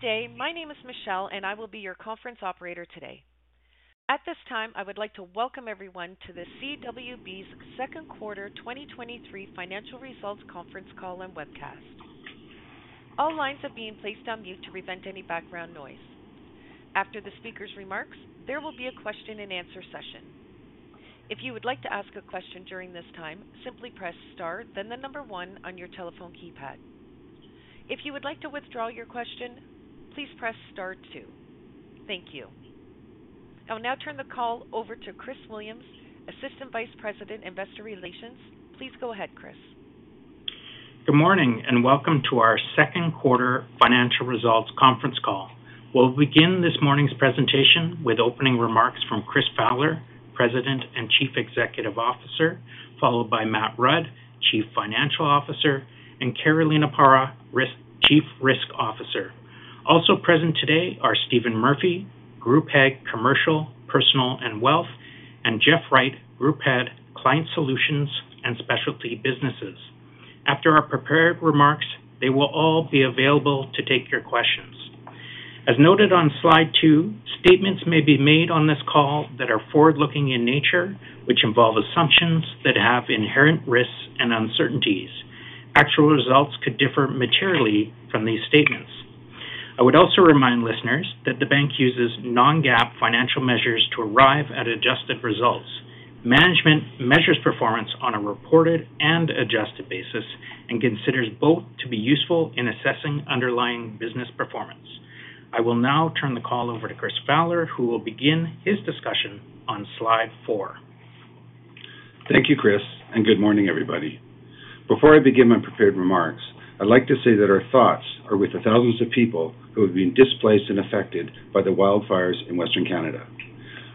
Good day. My name is Michelle, I will be your conference operator today. At this time, I would like to welcome everyone to the CWB's Q2 2023 financial results conference call and webcast. All lines are being placed on mute to prevent any background noise. After the speaker's remarks, there will be a question-and-answer session. If you would like to ask a question during this time, simply press * 1 on your telephone keypad. If you would like to withdraw your question, please press * 2. Thank you. I will now turn the call over to Chris Williams, Assistant Vice President, Investor Relations. Please go ahead, Chris. Good morning, and welcome to our Q2 financial results conference call. We'll begin this morning's presentation with opening remarks from Chris Fowler, President and Chief Executive Officer, followed by Matt Rudd, Chief Financial Officer, and Carolina Parra, Chief Risk Officer. Also present today are Stephen Murphy, Group Head, Commercial, Personal, and Wealth, and Jeff Wright, Group Head, Client Solutions and Specialty Businesses. After our prepared remarks, they will all be available to take your questions. As noted on slide 2, statements may be made on this call that are forward-looking in nature, which involve assumptions that have inherent risks and uncertainties. Actual results could differ materially from these statements. I would also remind listeners that the bank uses non-GAAP financial measures to arrive at adjusted results. Management measures performance on a reported and adjusted basis and considers both to be useful in assessing underlying business performance. I will now turn the call over to Chris Fowler, who will begin his discussion on slide 4. Thank you, Chris, and good morning, everybody. Before I begin my prepared remarks, I'd like to say that our thoughts are with the thousands of people who have been displaced and affected by the wildfires in Western Canada.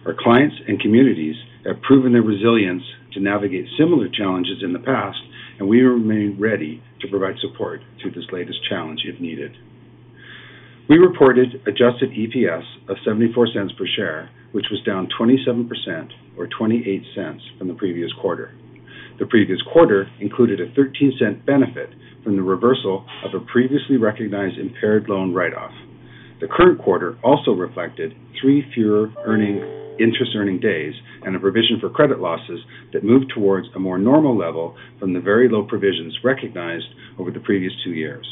Our clients and communities have proven their resilience to navigate similar challenges in the past, and we remain ready to provide support to this latest challenge if needed. We reported adjusted EPS of $0.74 per share, which was down 27% or $0.28 from the previous quarter. The previous quarter included a $0.13 benefit from the reversal of a previously recognized impaired loan write-off. The current quarter also reflected 3 fewer interest earning days and a provision for credit losses that moved towards a more normal level from the very low provisions recognized over the previous 2 years.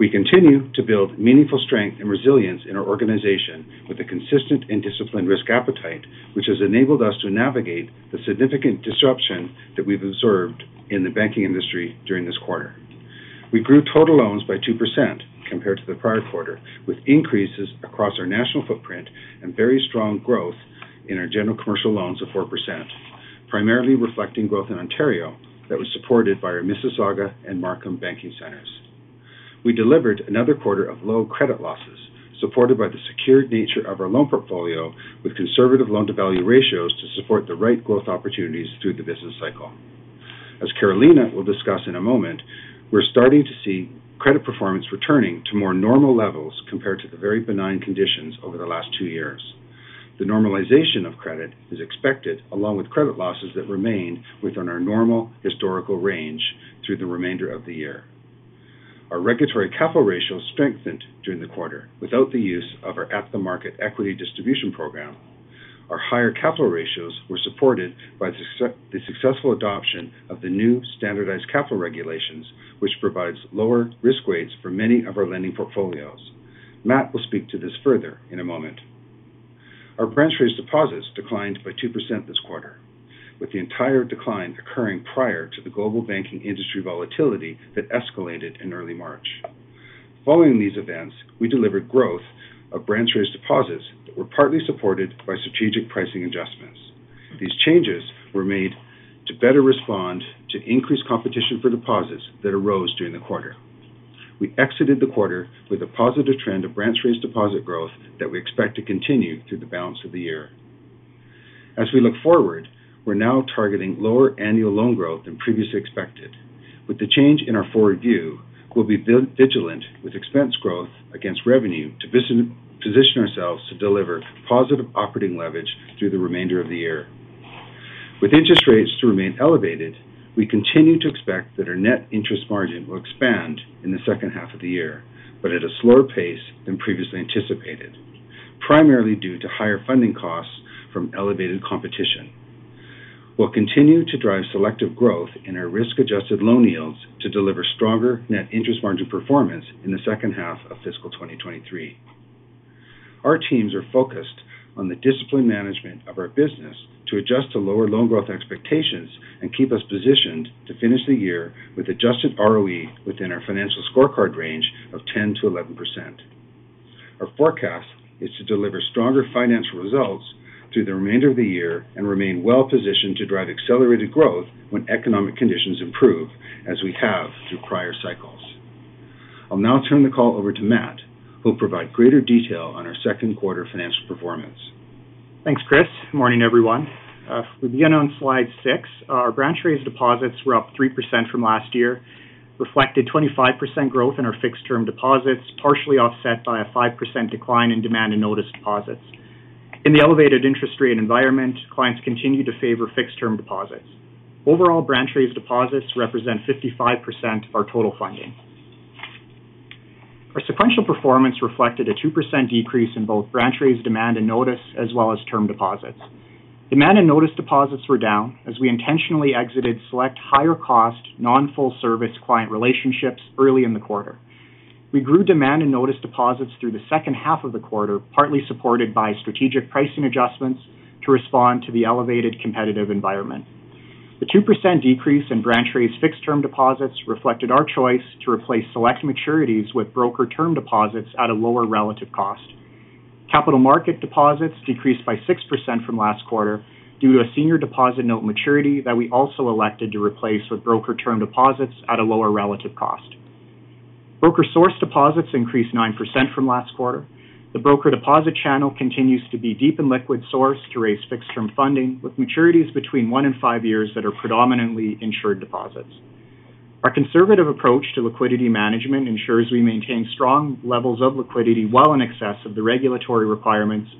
We continue to build meaningful strength and resilience in our organization with a consistent and disciplined risk appetite, which has enabled us to navigate the significant disruption that we've observed in the banking industry during this quarter. We grew total loans by 2% compared to the prior quarter, with increases across our national footprint and very strong growth in our general commercial loans of 4%, primarily reflecting growth in Ontario that was supported by our Mississauga and Markham banking centers. We delivered another quarter of low credit losses, supported by the secured nature of our loan portfolio, with conservative loan-to-value ratios to support the right growth opportunities through the business cycle. As Carolina will discuss in a moment, we're starting to see credit performance returning to more normal levels compared to the very benign conditions over the last 2 years. The normalization of credit is expected, along with credit losses that remain within our normal historical range through the remainder of the year. Our regulatory capital ratio strengthened during the quarter without the use of our at-the-market equity distribution program. Our higher capital ratios were supported by the successful adoption of the new standardized capital regulations, which provides lower risk weights for many of our lending portfolios. Matt will speak to this further in a moment. Our branch raised deposits declined by 2% this quarter, with the entire decline occurring prior to the global banking industry volatility that escalated in early March. Following these events, we delivered growth of branch raised deposits that were partly supported by strategic pricing adjustments. These changes were made to better respond to increased competition for deposits that arose during the quarter. We exited the quarter with a positive trend of branch raised deposit growth that we expect to continue through the balance of the year. We're now targeting lower annual loan growth than previously expected. The change in our forward view, we'll be vigilant with expense growth against revenue to position ourselves to deliver positive operating leverage through the remainder of the year. Interest rates to remain elevated, we continue to expect that our net interest margin will expand in the H2 of the year, but at a slower pace than previously anticipated, primarily due to higher funding costs from elevated competition. We'll continue to drive selective growth in our risk-adjusted loan yields to deliver stronger net interest margin performance in the H2 of fiscal 2023. Our teams are focused on the disciplined management of our business to adjust to lower loan growth expectations and keep us positioned to finish the year with adjusted ROE within our financial scorecard range of 10%-11%. Our forecast is to deliver stronger financial results through the remainder of the year and remain well positioned to drive accelerated growth when economic conditions improve, as we have through prior cycles. I'll now turn the call over to Matt, who will provide greater detail on our Q2 financial performance. Thanks, Chris. Good morning, everyone. We begin on slide 6. Our branch raised deposits were up 3% from last year, reflected 25% growth in our fixed-term deposits, partially offset by a 5% decline in demand and notice deposits. In the elevated interest rate environment, clients continue to favor fixed-term deposits. Overall, branch raised deposits represent 55% of our total funding. Our sequential performance reflected a 2% decrease in both branch raised demand and notice, as well as term deposits. Demand and notice deposits were down as we intentionally exited select higher cost, non-full service client relationships early in the quarter. We grew demand and notice deposits through the H2 of the quarter, partly supported by strategic pricing adjustments to respond to the elevated competitive environment. The 2% decrease in branch raised fixed-term deposits reflected our choice to replace select maturities with broker term deposits at a lower relative cost. Capital market deposits decreased by 6% from last quarter due to a senior deposit note maturity that we also elected to replace with broker term deposits at a lower relative cost. Broker source deposits increased 9% from last quarter. The broker deposit channel continues to be deep and liquid source to raise fixed-term funding, with maturities between 1 and 5 years that are predominantly insured deposits. Our conservative approach to liquidity management ensures we maintain strong levels of liquidity well in excess of the regulatory requirements.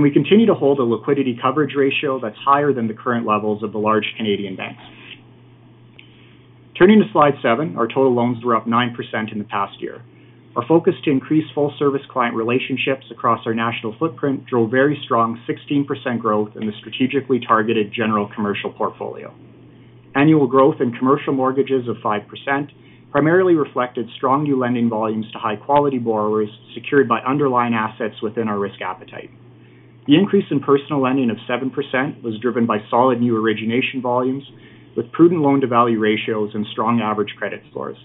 We continue to hold a Liquidity Coverage Ratio that's higher than the current levels of the large Canadian banks. Turning to slide 7. Our total loans were up 9% in the past year. Our focus to increase full service client relationships across our national footprint drove very strong 16% growth in the strategically targeted general commercial portfolio. Annual growth in commercial mortgages of 5% primarily reflected strong new lending volumes to high-quality borrowers secured by underlying assets within our risk appetite. The increase in personal lending of 7% was driven by solid new origination volumes, with prudent loan-to-value ratios and strong average credit scores.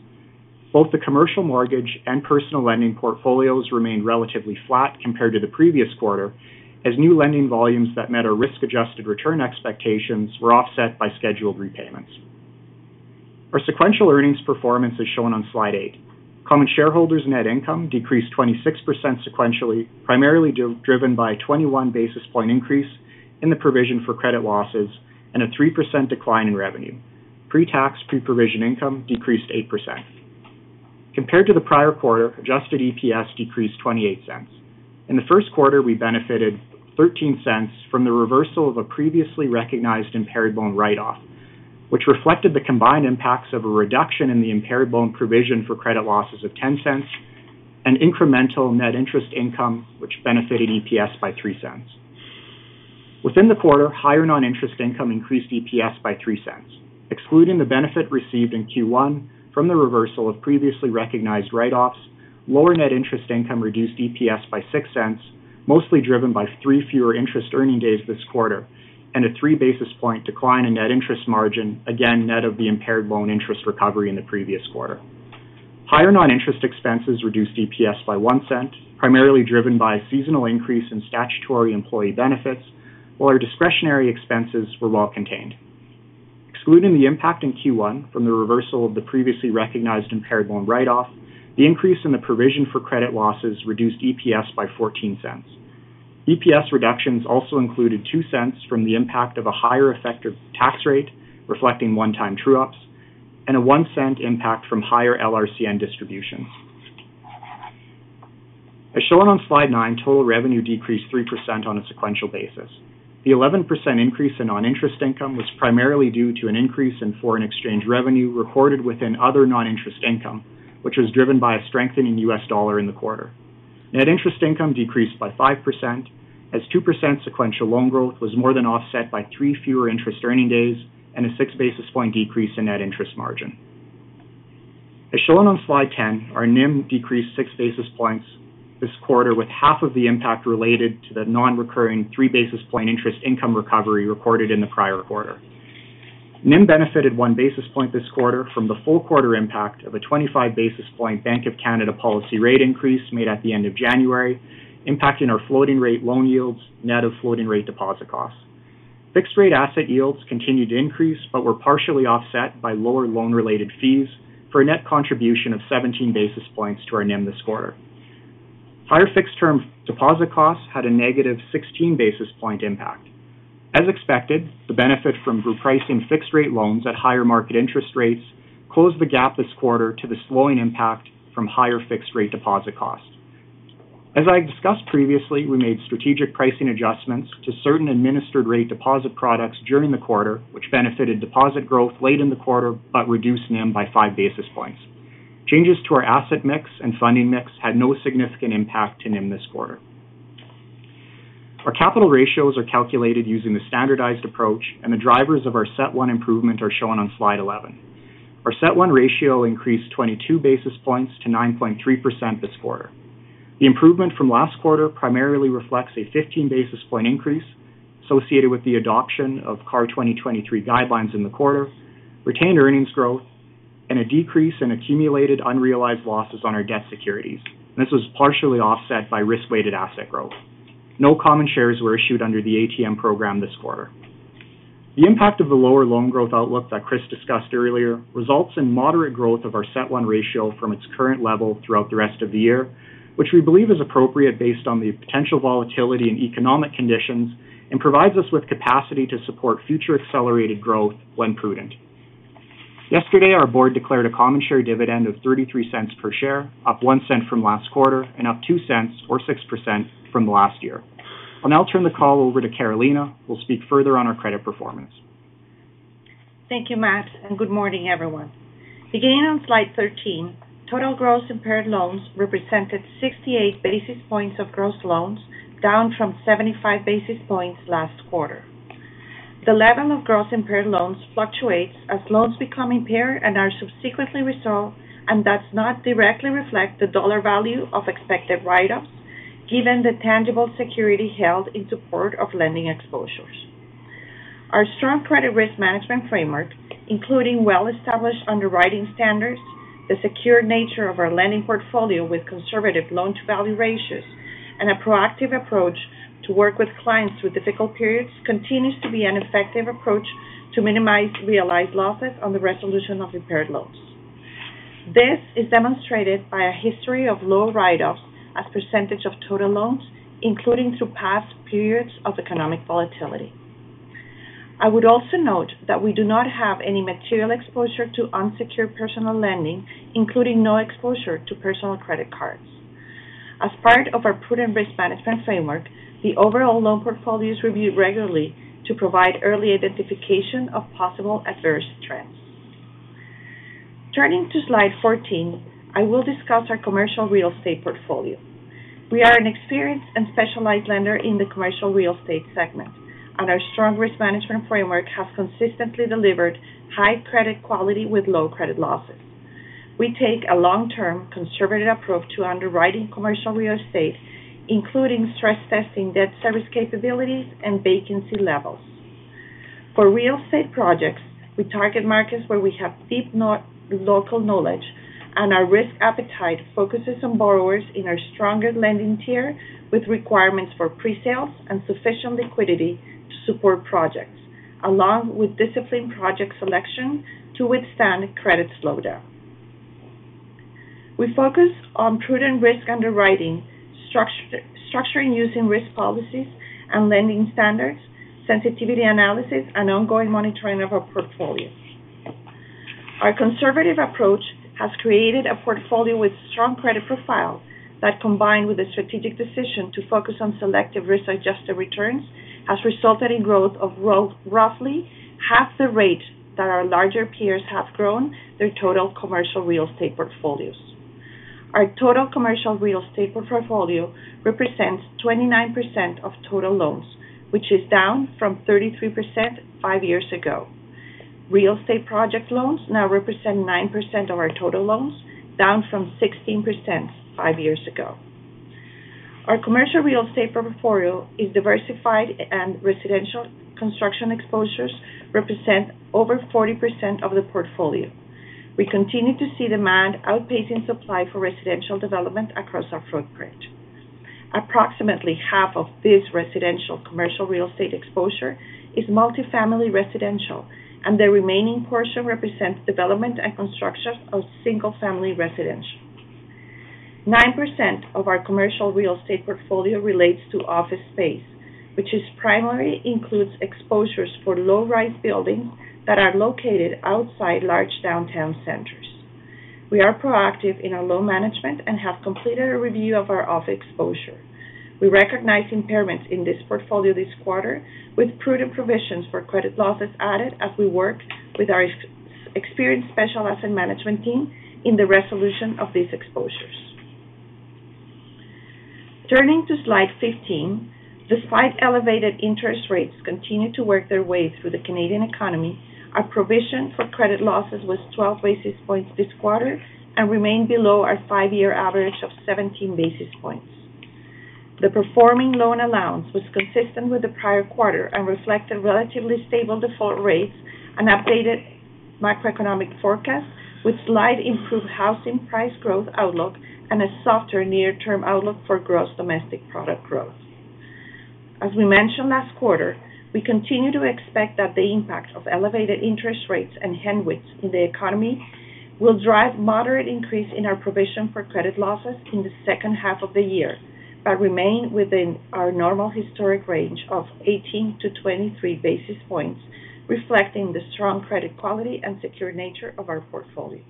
Both the commercial mortgage and personal lending portfolios remained relatively flat compared to the previous quarter, as new lending volumes that met our risk-adjusted return expectations were offset by scheduled repayments. Our sequential earnings performance is shown on slide 8. Common shareholders' net income decreased 26% sequentially, primarily driven by a 21 basis point increase in the provision for credit losses and a 3% decline in revenue. Pre-tax, pre-provision income decreased 8%. Compared to the prior quarter, adjusted EPS decreased $0.28. In the Q1, we benefited 0.13 from the reversal of a previously recognized impaired loan write-off, which reflected the combined impacts of a reduction in the impaired loan provision for credit losses of 0.10 and incremental net interest income, which benefited EPS by 0.03. Within the quarter, higher non-interest income increased EPS by 0.03. Excluding the benefit received in Q1 from the reversal of previously recognized write-offs, lower net interest income reduced EPS by 0.06, mostly driven by 3 fewer interest earning days this quarter, and a 3 basis point decline in net interest margin, again, net of the impaired loan interest recovery in the previous quarter. Higher non-interest expenses reduced EPS by 0.01, primarily driven by a seasonal increase in statutory employee benefits, while our discretionary expenses were well contained. Excluding the impact in Q1 from the reversal of the previously recognized impaired loan write-off, the increase in the provision for credit losses reduced EPS by 0.14. EPS reductions also included 0.02 from the impact of a higher effective tax rate, reflecting one-time true ups, and a 0.01 impact from higher LRCN distributions. As shown on slide 9, total revenue decreased 3% on a sequential basis. The 11% increase in non-interest income was primarily due to an increase in foreign exchange revenue recorded within other non-interest income, which was driven by a strengthening US dollar in the quarter. Net interest income decreased by 5%, as 2% sequential loan growth was more than offset by 3 fewer interest earning days and a 6 basis point decrease in net interest margin. As shown on slide 10, our NIM decreased 6 basis points this quarter, with half of the impact related to the non-recurring 3 basis point interest income recovery recorded in the prior quarter. NIM benefited 1 basis point this quarter from the full quarter impact of a 25 basis point Bank of Canada policy rate increase made at the end of January, impacting our floating rate loan yields net of floating rate deposit costs. Fixed rate asset yields continued to increase, but were partially offset by lower loan-related fees for a net contribution of 17 basis points to our NIM this quarter. Higher fixed-term deposit costs had a negative 16 basis point impact. As expected, the benefit from repricing fixed rate loans at higher market interest rates closed the gap this quarter to the slowing impact from higher fixed rate deposit costs. As I discussed previously, we made strategic pricing adjustments to certain administered rate deposit products during the quarter, which benefited deposit growth late in the quarter, but reduced NIM by 5 basis points. Changes to our asset mix and funding mix had no significant impact to NIM this quarter. Our capital ratios are calculated using the Standardized Approach, and the drivers of our CET1 improvement are shown on slide 11. Our CET1 ratio increased 22 basis points to 9.3% this quarter. The improvement from last quarter primarily reflects a 15 basis point increase associated with the adoption of CAR 2023 guidelines in the quarter, retained earnings growth, and a decrease in accumulated unrealized losses on our debt securities. This was partially offset by risk-weighted assets growth. No common shares were issued under the ATM program this quarter. The impact of the lower loan growth outlook that Chris discussed earlier, results in moderate growth of our CET1 ratio from its current level throughout the rest of the year, which we believe is appropriate based on the potential volatility in economic conditions, and provides us with capacity to support future accelerated growth when prudent. Yesterday, our board declared a common share dividend of $0.33 per share, up $0.01 from last quarter, and up $0.02 or 6% from last year. I'll now turn the call over to Carolina, who will speak further on our credit performance. Thank you, Matt. Good morning, everyone. Beginning on slide 13, total gross impaired loans represented 68 basis points of gross loans, down from 75 basis points last quarter. The level of gross impaired loans fluctuates as loans become impaired and are subsequently resolved, and does not directly reflect the dollar value of expected write-ups, given the tangible security held in support of lending exposures. Our strong credit risk management framework, including well-established underwriting standards, the secure nature of our lending portfolio with conservative loan-to-value ratios, and a proactive approach to work with clients through difficult periods, continues to be an effective approach to minimize realized losses on the resolution of impaired loans. This is demonstrated by a history of low write-offs as % of total loans, including through past periods of economic volatility. I would also note that we do not have any material exposure to unsecured personal lending, including no exposure to personal credit cards. As part of our prudent risk management framework, the overall loan portfolio is reviewed regularly to provide early identification of possible adverse trends. Turning to slide 14, I will discuss our commercial real estate portfolio. We are an experienced and specialized lender in the commercial real estate segment, and our strong risk management framework has consistently delivered high credit quality with low credit losses. We take a long-term, conservative approach to underwriting commercial real estate, including stress testing, debt service capabilities, and vacancy levels. For real estate projects, we target markets where we have deep local knowledge. Our risk appetite focuses on borrowers in our stronger lending tier, with requirements for pre-sales and sufficient liquidity to support projects, along with disciplined project selection to withstand a credit slowdown. We focus on prudent risk underwriting, structuring, using risk policies and lending standards, sensitivity analysis, and ongoing monitoring of our portfolios. Our conservative approach has created a portfolio with strong credit profile that, combined with a strategic decision to focus on selective risk-adjusted returns, has resulted in growth of roughly half the rate that our larger peers have grown their total commercial real estate portfolios. Our total commercial real estate portfolio represents 29% of total loans, which is down from 33% 5 years ago. Real estate project loans now represent 9% of our total loans, down from 16% 5 years ago. Our commercial real estate portfolio is diversified, and residential construction exposures represent over 40% of the portfolio. We continue to see demand outpacing supply for residential development across our footprint. Approximately half of this residential commercial real estate exposure is multifamily residential, and the remaining portion represents development and construction of single-family residential. 9% of our commercial real estate portfolio relates to office space, which is primarily includes exposures for low-rise buildings that are located outside large downtown centers. We are proactive in our loan management and have completed a review of our office exposure. We recognize impairments in this portfolio this quarter with prudent provisions for credit losses added as we work with our experienced special asset management team in the resolution of these exposures. Turning to slide 15, despite elevated interest rates continuing to work their way through the Canadian economy, our provision for credit losses was 12 basis points this quarter and remained below our 5-year average of 17 basis points. The performing loan allowance was consistent with the prior quarter and reflected relatively stable default rates and updated macroeconomic forecast, with slight improved housing price growth outlook and a softer near-term outlook for gross domestic product growth. As we mentioned last quarter, we continue to expect that the impact of elevated interest rates and headwinds in the economy will drive moderate increase in our provision for credit losses in the H2 of the year, but remain within our normal historic range of 18-23 basis points, reflecting the strong credit quality and secure nature of our portfolio.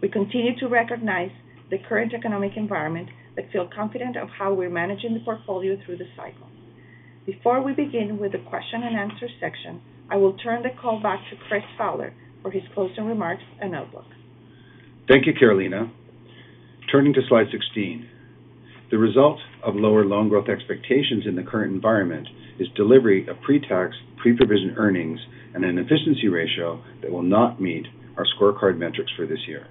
We continue to recognize the current economic environment but feel confident of how we're managing the portfolio through this cycle. Before we begin with the question and answer section, I will turn the call back to Chris Fowler for his closing remarks and outlook. Thank you, Carolina. Turning to slide 16. The result of lower loan growth expectations in the current environment is delivery of pre-tax, pre-provision earnings and an efficiency ratio that will not meet our scorecard metrics for this year.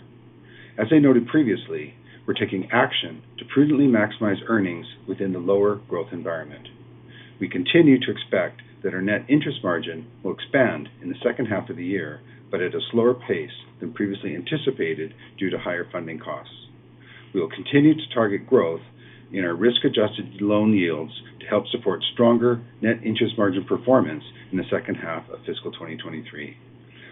As I noted previously, we're taking action to prudently maximize earnings within the lower growth environment. We continue to expect that our net interest margin will expand in the H2 of the year, but at a slower pace than previously anticipated due to higher funding costs. We will continue to target growth in our risk-adjusted loan yields to help support stronger net interest margin performance in the H2 of fiscal 2023.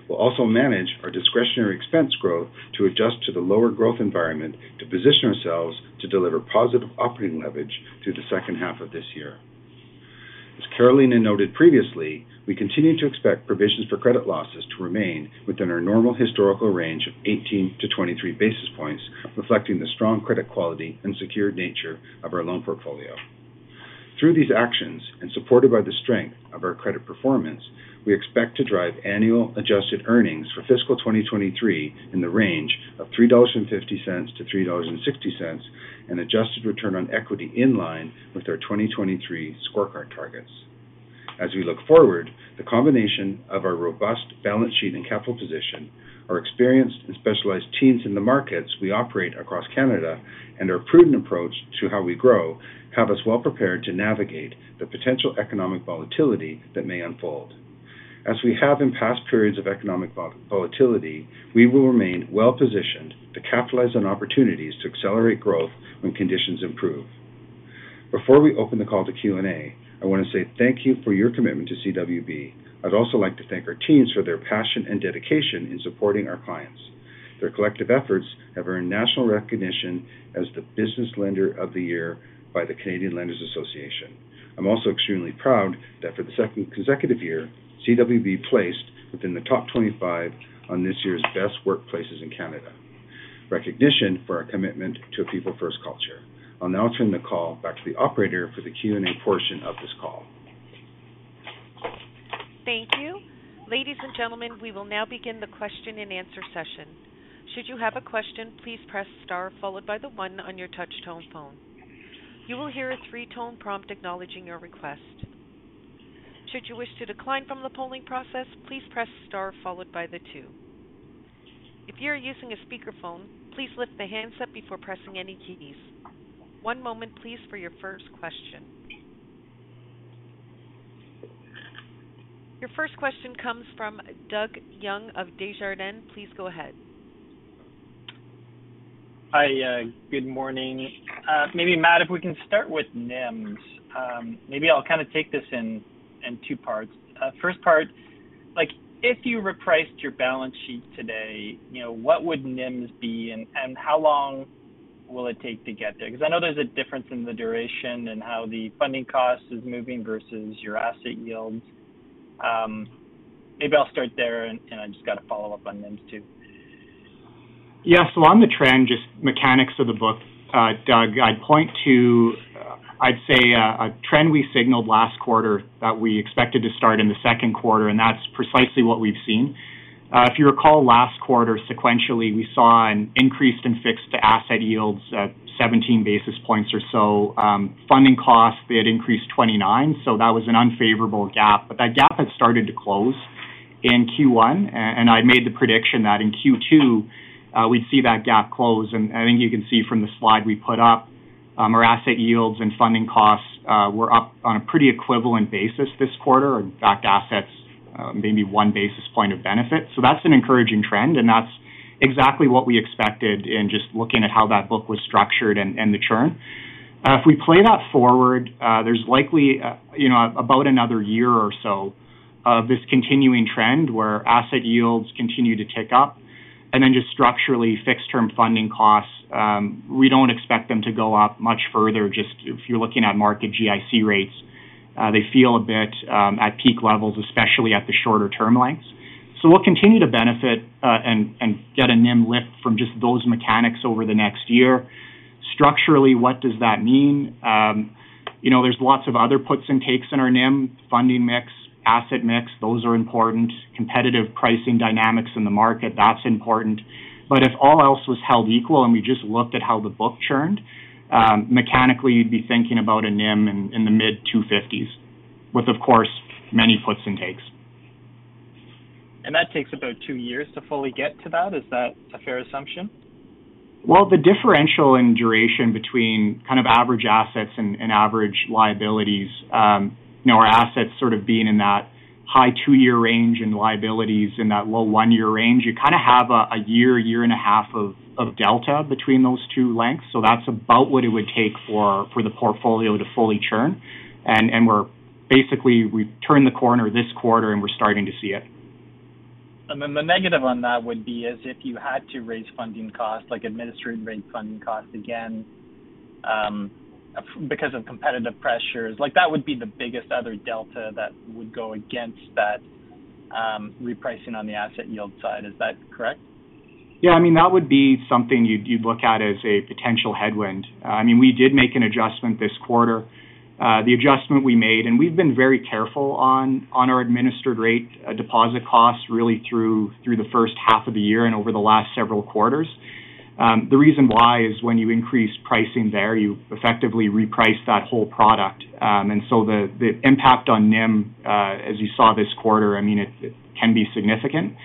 We'll also manage our discretionary expense growth to adjust to the lower growth environment to position ourselves to deliver positive operating leverage through the H2 of this year. Carolina noted previously, we continue to expect provisions for credit losses to remain within our normal historical range of 18-23 basis points, reflecting the strong credit quality and secured nature of our loan portfolio. Through these actions, supported by the strength of our credit performance, we expect to drive annual adjusted earnings for fiscal 2023 in the range of $3.50-$3.60, an adjusted return on equity in line with our 2023 scorecard targets. As we look forward, the combination of our robust balance sheet and capital position, our experienced and specialized teams in the markets we operate across Canada, and our prudent approach to how we grow, have us well prepared to navigate the potential economic volatility that may unfold. As we have in past periods of economic volatility, we will remain well-positioned to capitalize on opportunities to accelerate growth when conditions improve. Before we open the call to Q&A, I want to say thank you for your commitment to CWB. I'd also like to thank our teams for their passion and dedication in supporting our clients. Their collective efforts have earned national recognition as the Business Lender of the Year by the Canadian Lenders Association. I'm also extremely proud that for the 2nd consecutive year, CWB placed within the top 25 on this year's Best Workplaces in Canada, recognition for our commitment to a people-first culture. I'll now turn the call back to the operator for the Q&A portion of this call. Thank you. Ladies and gentlemen, we will now begin the question-and-answer session. Should you have a question, please press * followed by the 1 on your touchtone phone. You will hear a 3-tone prompt acknowledging your request. Should you wish to decline from the polling process, please press * followed by the 2. If you are using a speakerphone, please lift the handset before pressing any keys. One moment, please, for your 1st question. Your 1st question comes from Doug Young of Desjardins. Please go ahead. Hi, good morning. Maybe, Matt, if we can start with NIMS. Maybe I'll kind of take this in 2 parts. First part, like, if you repriced your balance sheet today, you know, what would NIMS be, and how long will it take to get there? Because I know there's a difference in the duration and how the funding cost is moving versus your asset yields. Maybe I'll start there, and I just got a follow-up on NIMS, too. On the trend, just mechanics of the book, Doug, I'd point to, I'd say, a trend we signaled last quarter that we expected to start in the Q2, and that's precisely what we've seen. If you recall, last quarter, sequentially, we saw an increase in fixed asset yields at 17 basis points or so. Funding costs, they had increased 29, so that was an unfavorable gap. That gap has started to close in Q1, and I made the prediction that in Q2, we'd see that gap close. I think you can see from the slide we put up, our asset yields and funding costs, were up on a pretty equivalent basis this quarter, or locked assets, maybe 1 basis point of benefit. That's an encouraging trend, and that's exactly what we expected in just looking at how that book was structured and the churn. If we play that forward, there's likely, you know, about another year or so of this continuing trend, where asset yields continue to tick up. Just structurally, fixed-term funding costs, we don't expect them to go up much further. Just if you're looking at market GIC rates, they feel a bit at peak levels, especially at the shorter term lengths. We'll continue to benefit and get a NIM lift from just those mechanics over the next year. Structurally, what does that mean? You know, there's lots of other puts and takes in our NIM. Funding mix, asset mix, those are important. Competitive pricing dynamics in the market, that's important. If all else was held equal and we just looked at how the book churned, mechanically, you'd be thinking about a NIM in the mid-250s, with, of course, many puts and takes. That takes about 2 years to fully get to that. Is that a fair assumption? The differential in duration between kind of average assets and average liabilities, you know, our assets sort of being in that high 2-year range and liabilities in that low 1-year range, you kind of have a year and a half of delta between those 2 lengths. That's about what it would take for the portfolio to fully churn, and Basically, we've turned the corner this quarter, and we're starting to see it. The negative on that would be is if you had to raise funding costs, like administered rate funding costs again, because of competitive pressures, like that would be the biggest other delta that would go against that, repricing on the asset yield side. Is that correct? Yeah, I mean, that would be something you'd look at as a potential headwind. I mean, we did make an adjustment this quarter. The adjustment we made, and we've been very careful on our administered rate, deposit costs, really through the H1 of the year and over the last several quarters. The reason why is when you increase pricing there, you effectively reprice that whole product. The impact on NIM, as you saw this quarter, I mean, it can be significant.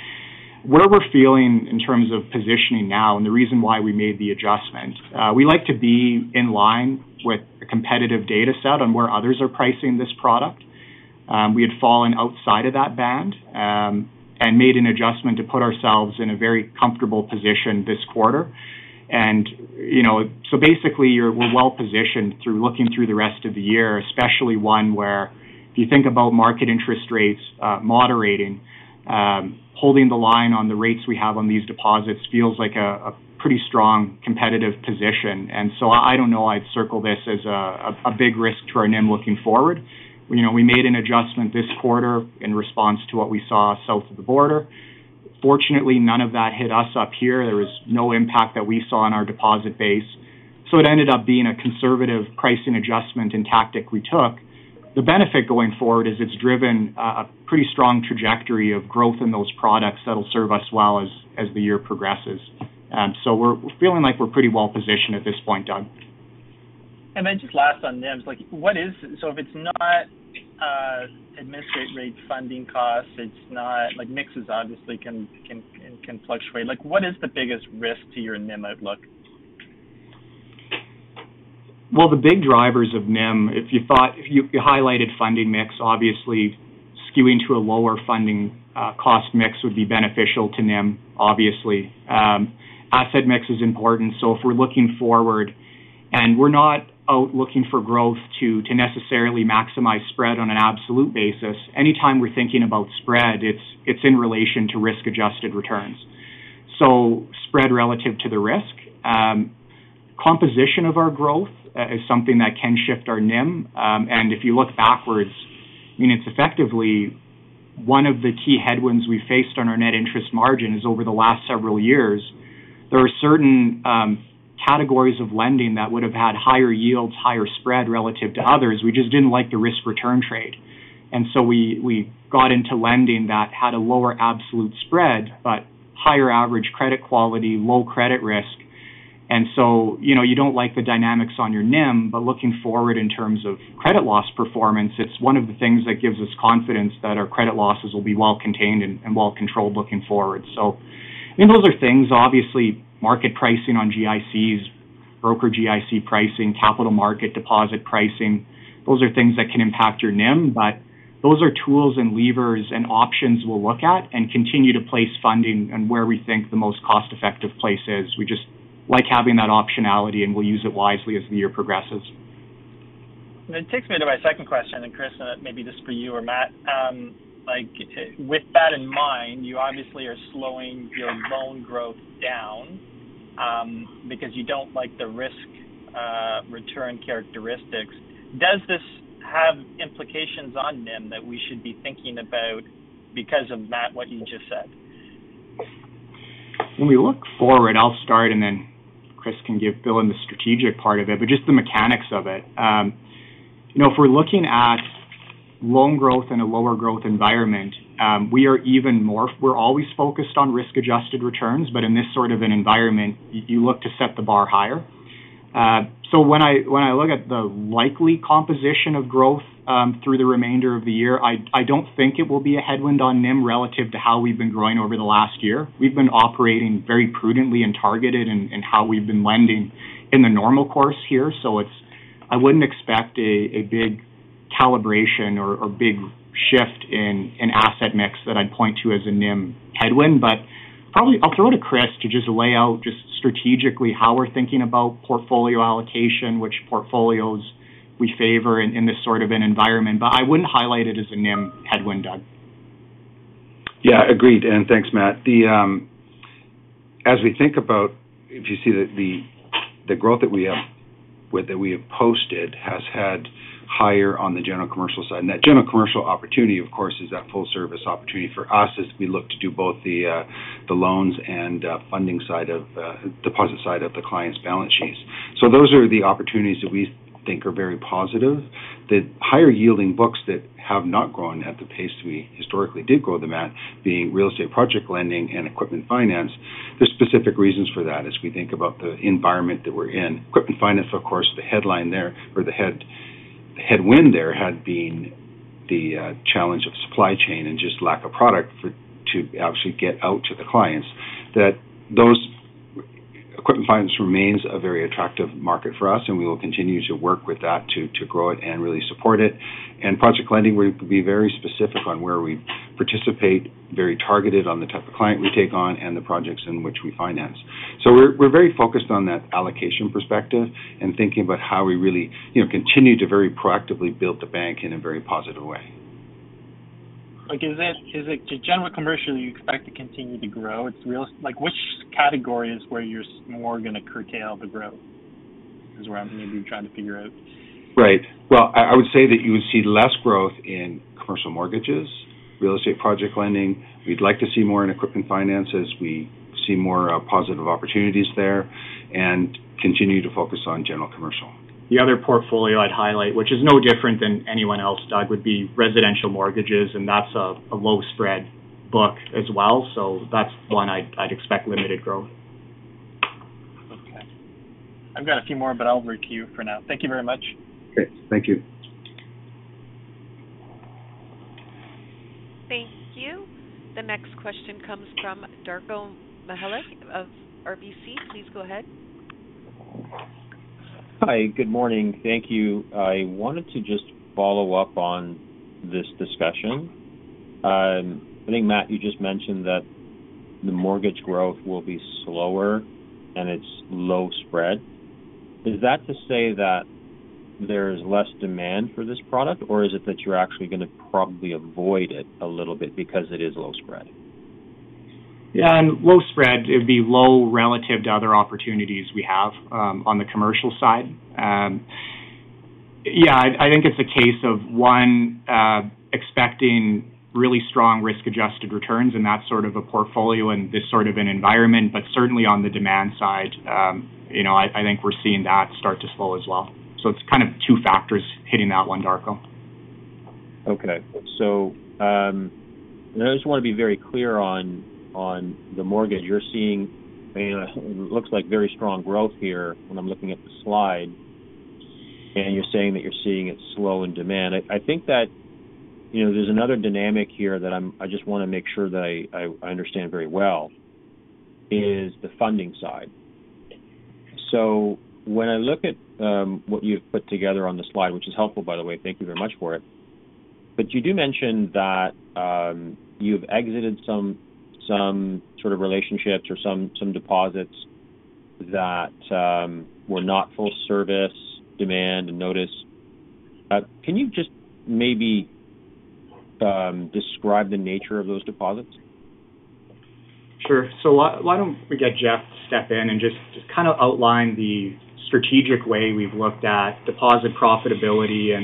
Where we're feeling in terms of positioning now, and the reason why we made the adjustment, we like to be in line with a competitive data set on where others are pricing this product. We had fallen outside of that band and made an adjustment to put ourselves in a very comfortable position this quarter. You know, we're well positioned through looking through the rest of the year, especially one where if you think about market interest rates moderating, holding the line on the rates we have on these deposits feels like a pretty strong competitive position. I don't know I'd circle this as a big risk to our NIM looking forward. You know, we made an adjustment this quarter in response to what we saw south of the border. Fortunately, none of that hit us up here. There was no impact that we saw in our deposit base, so it ended up being a conservative pricing adjustment and tactic we took. The benefit going forward is it's driven a pretty strong trajectory of growth in those products that'll serve us well as the year progresses. We're feeling like we're pretty well positioned at this point, Doug. just last on NIMs, like, so if it's not administrate rate funding costs, it's not, like, mixes obviously can fluctuate. Like, what is the biggest risk to your NIM outlook? Well, the big drivers of NIM, you highlighted funding mix, obviously skewing to a lower funding cost mix would be beneficial to NIM, obviously. Asset mix is important, so if we're looking forward and we're not out looking for growth to necessarily maximize spread on an absolute basis, anytime we're thinking about spread, it's in relation to risk-adjusted returns. So spread relative to the risk. Composition of our growth is something that can shift our NIM. If you look backwards, I mean, it's effectively one of the key headwinds we faced on our net interest margin is over the last several years. There are certain categories of lending that would have had higher yields, higher spread relative to others. We just didn't like the risk-return trade, and so we got into lending that had a lower absolute spread, but higher average credit quality, low credit risk. You know, you don't like the dynamics on your NIM, but looking forward in terms of credit loss performance, it's one of the things that gives us confidence that our credit losses will be well contained and well controlled looking forward. Those are things, obviously, market pricing on GICs, broker GIC pricing, capital market deposit pricing, those are things that can impact your NIM, but those are tools and levers and options we'll look at and continue to place funding on where we think the most cost-effective place is. We just like having that optionality, and we'll use it wisely as the year progresses. It takes me to my 2nd question, Chris, maybe this is for you or Matt. Like, with that in mind, you obviously are slowing your loan growth down because you don't like the risk return characteristics. Does this have implications on NIM that we should be thinking about because of, Matt, what you just said? When we look forward, I'll start, and then Chris can give fill in the strategic part of it, but just the mechanics of it. You know, if we're looking at loan growth in a lower growth environment, we're always focused on risk-adjusted returns, but in this sort of an environment, you look to set the bar higher. When I look at the likely composition of growth, through the remainder of the year, I don't think it will be a headwind on NIM relative to how we've been growing over the last year. We've been operating very prudently and targeted in how we've been lending in the normal course here, so I wouldn't expect a big calibration or big shift in asset mix that I'd point to as a NIM headwind. Probably I'll throw to Chris to just lay out just strategically how we're thinking about portfolio allocation, which portfolios we favor in this sort of an environment. I wouldn't highlight it as a NIM headwind, Doug. Yeah, agreed, thanks, Matt. The As we think about, if you see that the growth that we have posted has had higher on the general commercial side, That general commercial opportunity, of course, is that full service opportunity for us as we look to do both the loans and funding side of deposit side of the client's balance sheets. Those are the opportunities that we think are very positive. The higher yielding books that have not grown at the pace we historically did grow them at, being real estate project lending and equipment finance, there's specific reasons for that as we think about the environment that we're in. Equipment finance, of course, the headline there, or the headwind there had been the challenge of supply chain and just lack of product for, to actually get out to the clients, that those equipment finance remains a very attractive market for us, and we will continue to work with that to grow it and really support it. Project lending, we're going to be very specific on where we participate, very targeted on the type of client we take on, and the projects in which we finance. We're, we're very focused on that allocation perspective and thinking about how we really, you know, continue to very proactively build the bank in a very positive way. Like, is it the general commercial you expect to continue to grow? Like, which category is where you're more going to curtail the growth? Is what I'm maybe trying to figure out. Well, I would say that you would see less growth in commercial mortgages, real estate project lending. We'd like to see more in equipment finances. We see more positive opportunities there and continue to focus on general commercial. The other portfolio I'd highlight, which is no different than anyone else, Doug, would be residential mortgages, and that's a low spread book as well. That's 1 I'd expect limited growth. Okay. I've got a few more, but I'll leave it to you for now. Thank you very much. Okay, thank you. Thank you. The next question comes from Darko Mihelic of RBC. Please go ahead. Hi, good morning. Thank you. I wanted to just follow up on this discussion. I think, Matt, you just mentioned that the mortgage growth will be slower and it's low spread. Is that to say that there's less demand for this product, or is it that you're actually going to probably avoid it a little bit because it is low spread? Yeah, low spread, it would be low relative to other opportunities we have on the commercial side. Yeah, I think it's a case of, 1, expecting really strong risk-adjusted returns in that sort of a portfolio in this sort of an environment. Certainly, on the demand side, you know, I think we're seeing that start to slow as well. It's kind of 2 factors hitting that one, Darko. Okay. And I just want to be very clear on the mortgage. You're seeing, it looks like very strong growth here when I'm looking at the slide, and you're saying that you're seeing it slow in demand. I think that, you know, there's another dynamic here that I just want to make sure that I understand very well, is the funding side. When I look at what you've put together on the slide, which is helpful, by the way, thank you very much for it. You do mention that you've exited some sort of relationships or some deposits that were not full service demand and notice. Can you just maybe describe the nature of those deposits? Sure. Why don't we get Jeff to step in and just kind of outline the strategic way we've looked at deposit profitability.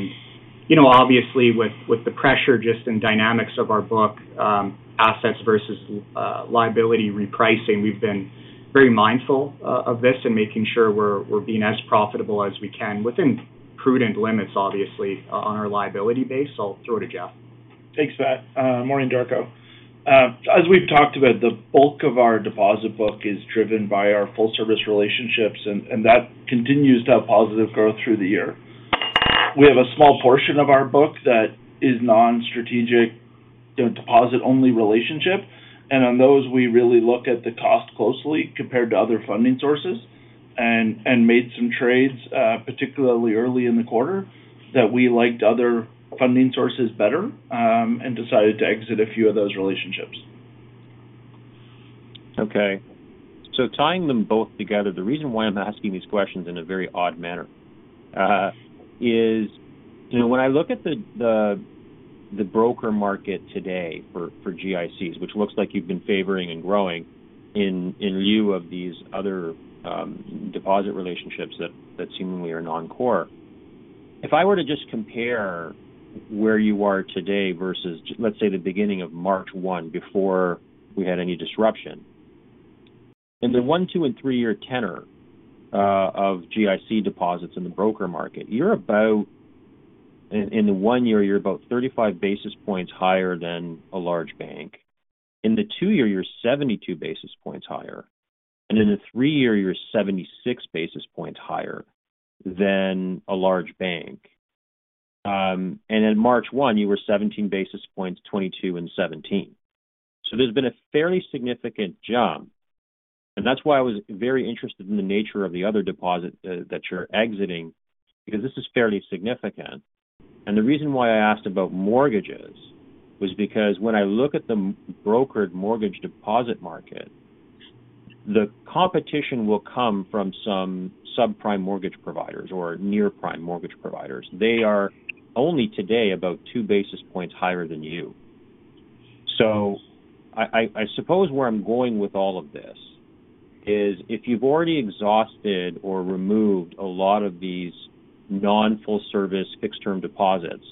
You know, obviously, with the pressure just in dynamics of our book, assets versus liability repricing, we've been very mindful of this in making sure we're being as profitable as we can, within prudent limits, obviously, on our liability base. I'll throw it to Jeff. Thanks, Matt. Morning, Darko. As we've talked about, the bulk of our deposit book is driven by our full service relationships, and that continues to have positive growth through the year. We have a small portion of our book that is non-strategic, you know, deposit-only relationship, and on those, we really look at the cost closely compared to other funding sources, and made some trades, particularly early in the quarter, that we liked other funding sources better, and decided to exit a few of those relationships. Okay. Tying them both together, the reason why I'm asking these questions in a very odd manner, is, you know, when I look at the broker market today for GICs, which looks like you've been favoring and growing in lieu of these other deposit relationships that seemingly are non-core. If I were to just compare where you are today versus let's say, the beginning of March 1, before we had any disruption, in the 1, 2, and 3-year tenor of GIC deposits in the broker market. In the 1 year, you're about 35 basis points higher than a large bank. In the 2 year, you're 72 basis points higher, and in the 3 year, you're 76 basis points higher than a large bank. In March 1, you were 17 basis points, 22 and 17. There's been a fairly significant jump, and that's why I was very interested in the nature of the other deposit that you're exiting, because this is fairly significant. The reason why I asked about mortgages was because when I look at the brokered mortgage deposit market, the competition will come from some subprime mortgage providers or near-prime mortgage providers. They are only today about 2 basis points higher than you. I suppose where I'm going with all of this is, if you've already exhausted or removed a lot of these non-full service, fixed-term deposits,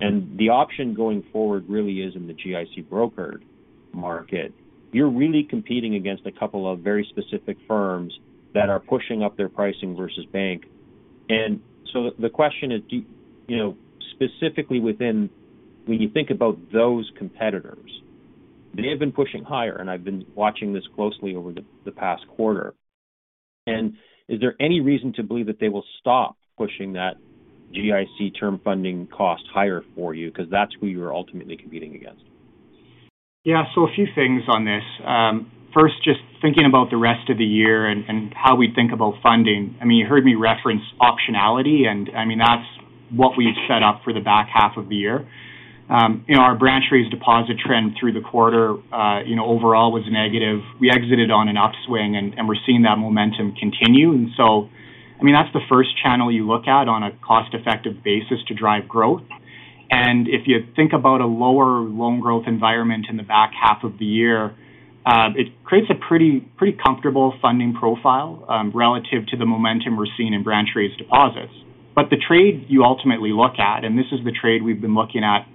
and the option going forward really is in the GIC brokered market, you're really competing against a couple of very specific firms that are pushing up their pricing versus bank. The question is, do you know, specifically within... When you think about those competitors, they have been pushing higher, and I've been watching this closely over the past quarter. Is there any reason to believe that they will stop pushing that GIC term funding cost higher for you? That's who you're ultimately competing against. Yeah, a few things on this. first, just thinking about the rest of the year and how we think about funding. I mean, you heard me reference optionality, I mean, that's what we've set up for the back half of the year. you know, our branch rates deposit trend through the quarter, you know, overall was negative. We exited on an upswing, and we're seeing that momentum continue. I mean, that's the 1st channel you look at on a cost-effective basis to drive growth. If you think about a lower loan growth environment in the back half of the year, it creates a pretty comfortable funding profile relative to the momentum we're seeing in branch rates deposits. The trade you ultimately look at, and this is the trade we've been looking at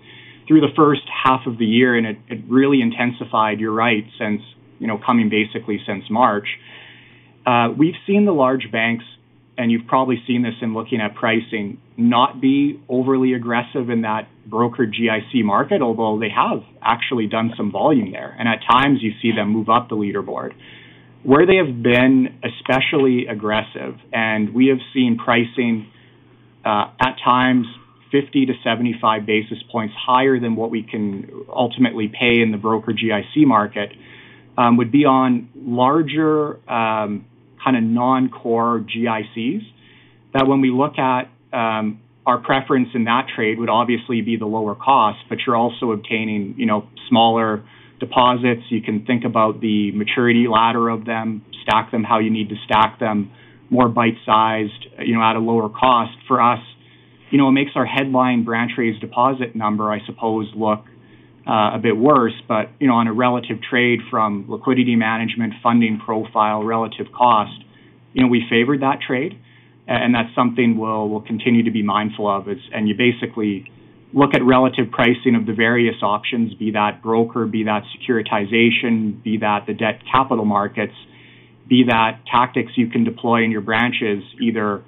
through the H1 of the year, and it really intensified, you know, you're right, since, you know, coming basically since March. We've seen the large banks, and you've probably seen this in looking at pricing, not be overly aggressive in that broker GIC market, although they have actually done some volume there. At times, you see them move up the leaderboard. Where they have been especially aggressive, and we have seen pricing, at times 50 to 75 basis points higher than what we can ultimately pay in the broker GIC market, would be on larger, kind of non-core GICs. That when we look at, our preference in that trade would obviously be the lower cost, but you're also obtaining, you know, smaller deposits. You can think about the maturity ladder of them, stock them, how you need to stock them, more bite-sized, you know, at a lower cost. For us, you know, it makes our headline branch trades deposit number, I suppose, look a bit worse. you know, on a relative trade from liquidity management, funding profile, relative cost, you know, we favored that trade, and that's something we'll continue to be mindful of. you basically look at relative pricing of the various options, be that broker, be that securitization, be that the debt capital markets, be that tactics you can deploy in your branches, either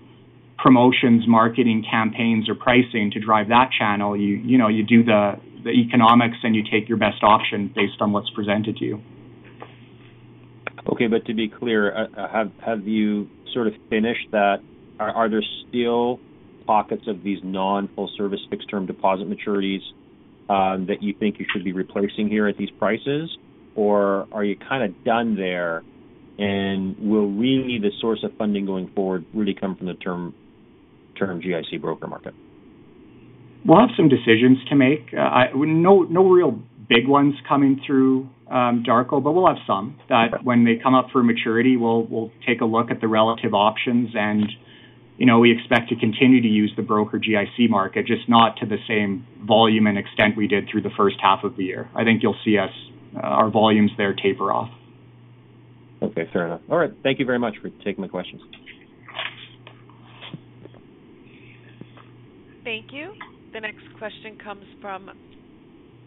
promotions, marketing campaigns, or pricing to drive that channel. You, you know, you do the economics, and you take your best option based on what's presented to you. To be clear, have you sort of finished that? Are there still pockets of these non-full service, fixed-term deposit maturities that you think you should be replacing here at these prices? Are you kind of done there? Will really the source of funding going forward really come from the term GIC broker market? We'll have some decisions to make. No real big ones coming through, Darko, but we'll have some, that when they come up for maturity, we'll take a look at the relative options. You know, we expect to continue to use the broker GIC market, just not to the same volume and extent we did through the H1 of the year. I think you'll see us, our volumes there taper off. Okay, fair enough. All right. Thank you very much for taking my questions. Thank you. The next question comes from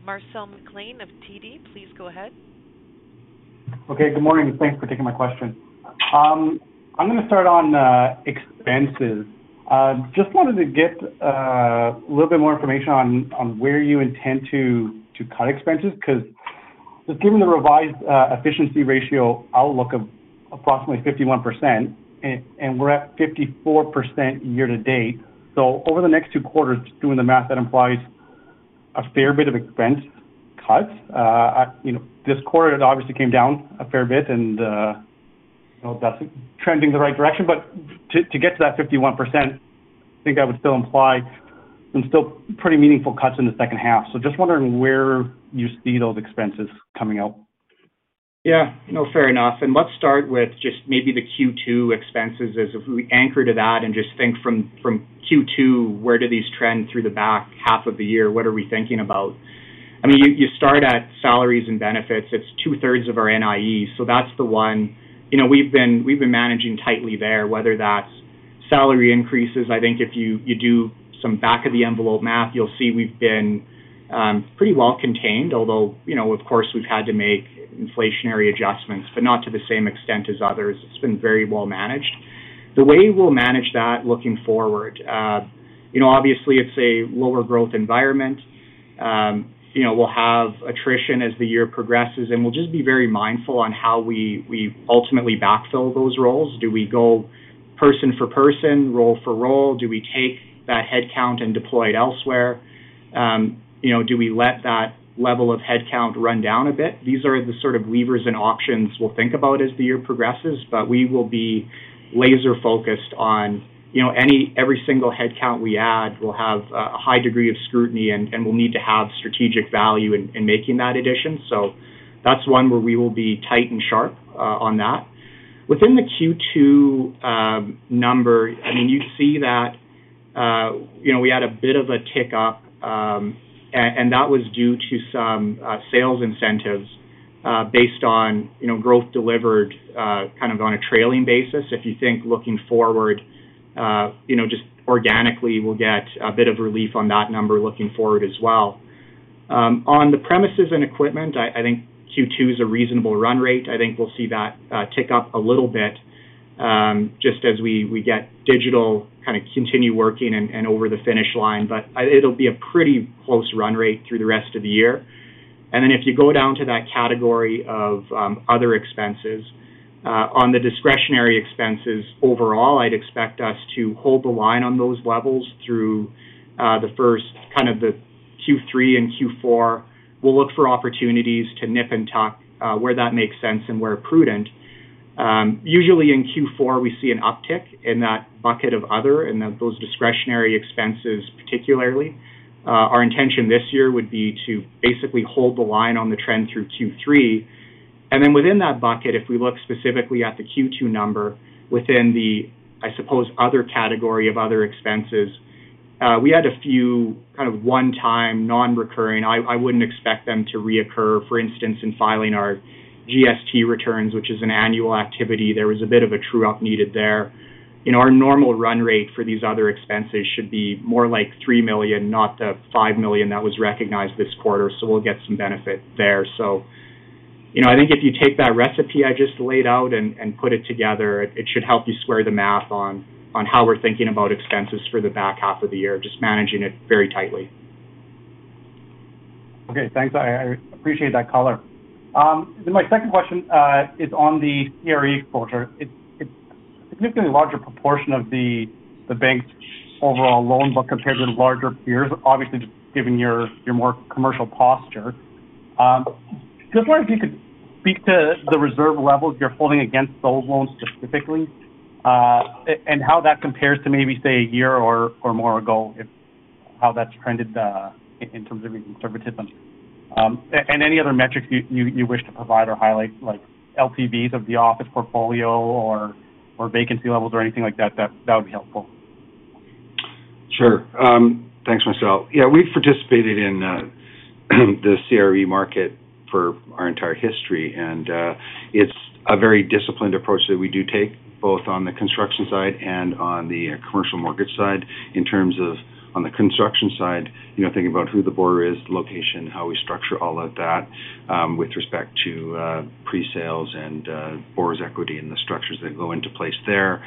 Marcel McLean of TD. Please go ahead. Good morning. Thanks for taking my question. I'm going to start on expenses. Just wanted to get a little bit more information on where you intend to cut expenses, 'cause just given the revised efficiency ratio outlook of approximately 51%, and we're at 54% year to date. Over the next 2 quarters, doing the math, that implies a fair bit of expense cuts. you know, this quarter, it obviously came down a fair bit, and you know, that's trending the right direction. To get to that 51%, I think that would still imply some still pretty meaningful cuts in the H2. Just wondering where you see those expenses coming out? Yeah. No, fair enough. Let's start with just maybe the Q2 expenses as if we anchor to that and just think from Q2, where do these trend through the back half of the year? What are we thinking about? I mean, you start at salaries and benefits. It's 2/3 of our NIE, so that's the one. You know, we've been managing tightly there, whether that's salary increases. I think if you do some back of the envelope math, you'll see we've been pretty well contained. Although, you know, of course, we've had to make inflationary adjustments, but not to the same extent as others. It's been very well managed. The way we'll manage that looking forward, you know, obviously, it's a lower growth environment. you know, we'll have attrition as the year progresses, we'll just be very mindful on how we ultimately backfill those roles. Do we go person for person, role for role? Do we take that headcount and deploy it elsewhere? you know, do we let that level of headcount run down a bit? These are the sort of levers and options we'll think about as the year progresses, but we will be laser-focused on, you know, every single headcount we add will have a high degree of scrutiny and will need to have strategic value in making that addition. That's one where we will be tight and sharp on that. Within the Q2 number, I mean, you see that, you know, we had a bit of a tick up, and that was due to some sales incentives, based on, you know, growth delivered, kind of on a trailing basis. If you think looking forward, you know, just organically, we'll get a bit of relief on that number looking forward as well. On the premises and equipment, I think Q2 is a reasonable run rate. I think we'll see that tick up a little bit, just as we get digital, kind of continue working and over the finish line. It'll be a pretty close run rate through the rest of the year. If you go down to that category of other expenses, on the discretionary expenses, overall, I'd expect us to hold the line on those levels through the first kind of the Q3 and Q4. We'll look for opportunities to nip and tuck where that makes sense and where prudent. Usually in Q4, we see an uptick in that bucket of other, and then those discretionary expenses, particularly. Our intention this year would be to basically hold the line on the trend through Q3. Within that bucket, if we look specifically at the Q2 number, within the, I suppose, other category of other expenses, we had a few kind of one-time, non-recurring... I wouldn't expect them to reoccur. For instance, in filing our GST returns, which is an annual activity, there was a bit of a true-up needed there. You know, our normal run rate for these other expenses should be more like 3 million, not the 5 million that was recognized this quarter, so we'll get some benefit there. You know, I think if you take that recipe I just laid out and put it together, it should help you square the math on how we're thinking about expenses for the back half of the year, just managing it very tightly. Okay, thanks. I appreciate that color. My 2nd question is on the CRE quarter. It's significantly larger proportion of the bank's overall loan book compared with larger peers, obviously, just given your more commercial posture. Just wonder if you could speak to the reserve levels you're holding against those loans specifically, and how that compares to maybe, say, a year or more ago, if how that's trended in terms of your conservatism. Any other metrics you wish to provide or highlight, like LTVs of the office portfolio or vacancy levels or anything like that would be helpful. Sure. Thanks, Marcel. We've participated in the CRE market for our entire history. It's a very disciplined approach that we do take, both on the construction side and on the commercial mortgage side. In terms of on the construction side, you know, thinking about who the borrower is, location, how we structure all of that, with respect to presales and borrower's equity and the structures that go into place there.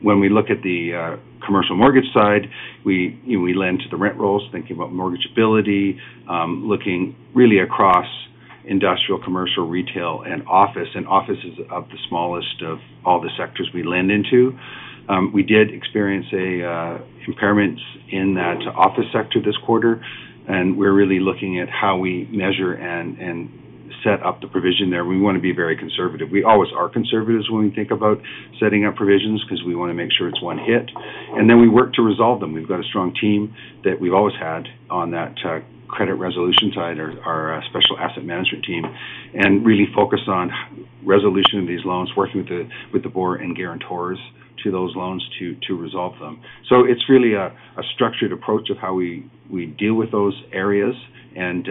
When we look at the commercial mortgage side, we, you know, we lend to the rent rolls, thinking about mortgage ability, looking really across industrial, commercial, retail, and office. Office is of the smallest of all the sectors we lend into. We did experience an impairment in that office sector this quarter, and we're really looking at how we measure and set up the provision there. We want to be very conservative. We always are conservative when we think about setting up provisions, ‘cause we want to make sure it's 1 hit, and then we work to resolve them. We've got a strong team that we've always had on that credit resolution side, our special asset management team, and really focus on resolution of these loans, working with the borrower and guarantors to those loans to resolve them. It's really a structured approach of how we deal with those areas and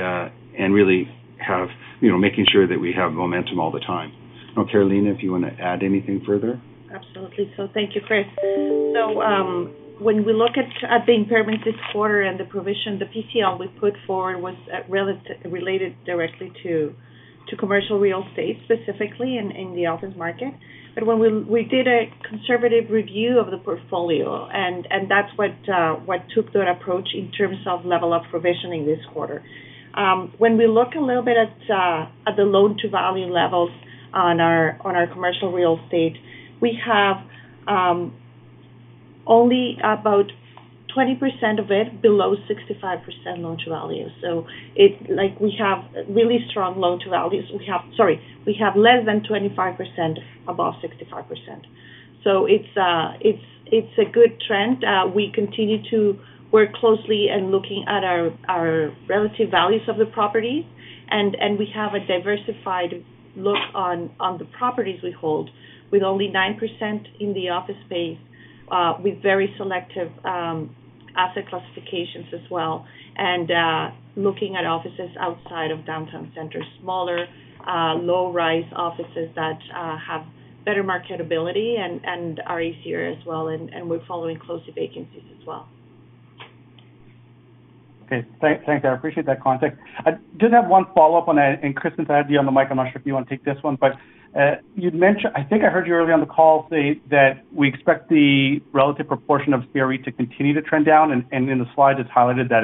really have, you know, making sure that we have momentum all the time. Carolina, if you want to add anything further? Absolutely. Thank you, Chris. When we look at the impairment this quarter and the provision, the PCL we put forward was related directly to commercial real estate, specifically in the office market. When we did a conservative review of the portfolio, and that's what took that approach in terms of level of provisioning this quarter. When we look a little bit at the loan-to-value levels on our commercial real estate, we have only about 20% of it below 65% loan-to-value. It's like we have really strong loan-to-values. We have less than 25% above 65%. It's a good trend. We continue to work closely and looking at our relative values of the properties, and we have a diversified look on the properties we hold, with only 9% in the office space, with very selective asset classifications as well. Looking at offices outside of downtown center, smaller low-rise offices that have better marketability and are easier as well, and we're following close to vacancies as well. Okay. Thank you. I appreciate that context. I did have 1 follow-up on that, and Kristen, since I have you on the mic, I'm not sure if you want to take this one. You'd mentioned I think I heard you earlier on the call say that we expect the relative proportion of CRE to continue to trend down, and in the slide, it's highlighted that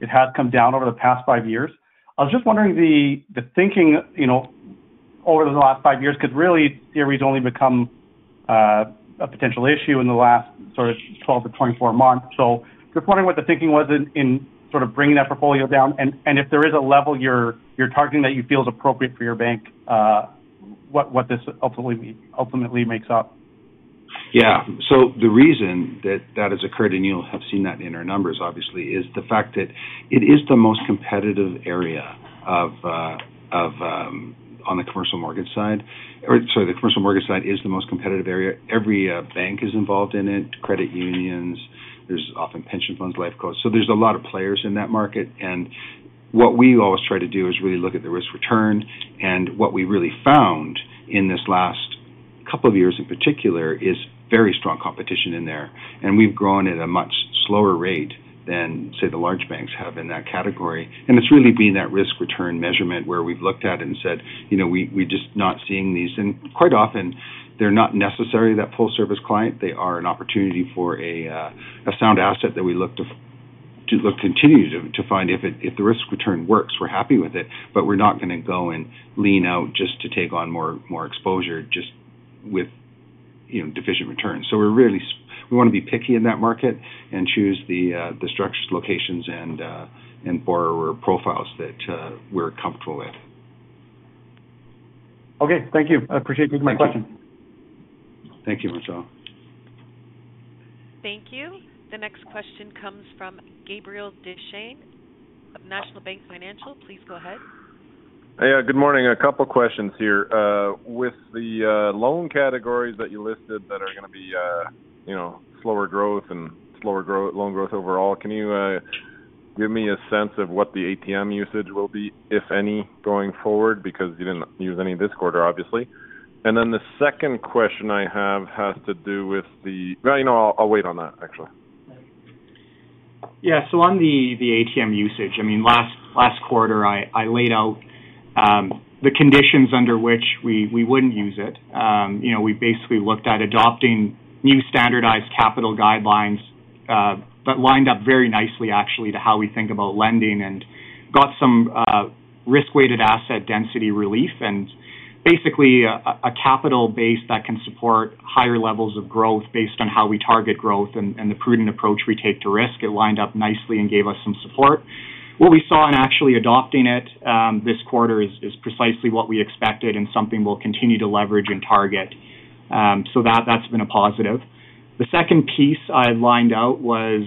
it has come down over the past 5 years. I was just wondering the thinking, you know, over the last 5 years, 'cause really, CRE has only become a potential issue in the last sort of 12-24 months. Just wondering what the thinking was in sort of bringing that portfolio down, and if there is a level you're targeting that you feel is appropriate for your bank, what this ultimately makes up? The reason that that has occurred, and you'll have seen that in our numbers, obviously, is the fact that it is the most competitive area of on the commercial mortgage side. Or sorry, the commercial mortgage side is the most competitive area. Every bank is involved in it, credit unions, there's often pension funds, life cost. There's a lot of players in that market, and what we always try to do is really look at the risk-return. What we really found in this last couple of years, in particular, is very strong competition in there, and we've grown at a much slower rate than, say, the large banks have in that category. It's really been that risk-return measurement where we've looked at it and said, "You know, we're just not seeing these." Quite often, they're not necessarily that full-service client. They are an opportunity for a sound asset that we look to continue to find if the risk-return works, we're happy with it, but we're not going to go and lean out just to take on more exposure just with, you know, deficient returns. We really want to be picky in that market and choose the structures, locations, and borrower profiles that we're comfortable with. Okay, thank you. I appreciate you taking my question. Thank you, Marcel. Thank you. The next question comes from Gabriel Dechaine of National Bank Financial. Please go ahead. Hey, good morning. A couple questions here. With the loan categories that you listed that are going to be, you know, slower growth and slower growth, loan growth overall, can you give me a sense of what the ATM usage will be, if any, going forward? Because you didn't use any this quarter, obviously. The 2nd question I have has to do with the... Well, you know, I'll wait on that, actually. On the ATM usage, I mean, last quarter, I laid out the conditions under which we wouldn't use it. You know, we basically looked at adopting new standardized capital guidelines, but lined up very nicely, actually, to how we think about lending and got some risk-weighted assets density relief. Basically a capital base that can support higher levels of growth based on how we target growth and the prudent approach we take to risk. It lined up nicely and gave us some support. What we saw in actually adopting it this quarter is precisely what we expected and something we'll continue to leverage and target. So that's been a positive. The 2nd piece I had lined out was,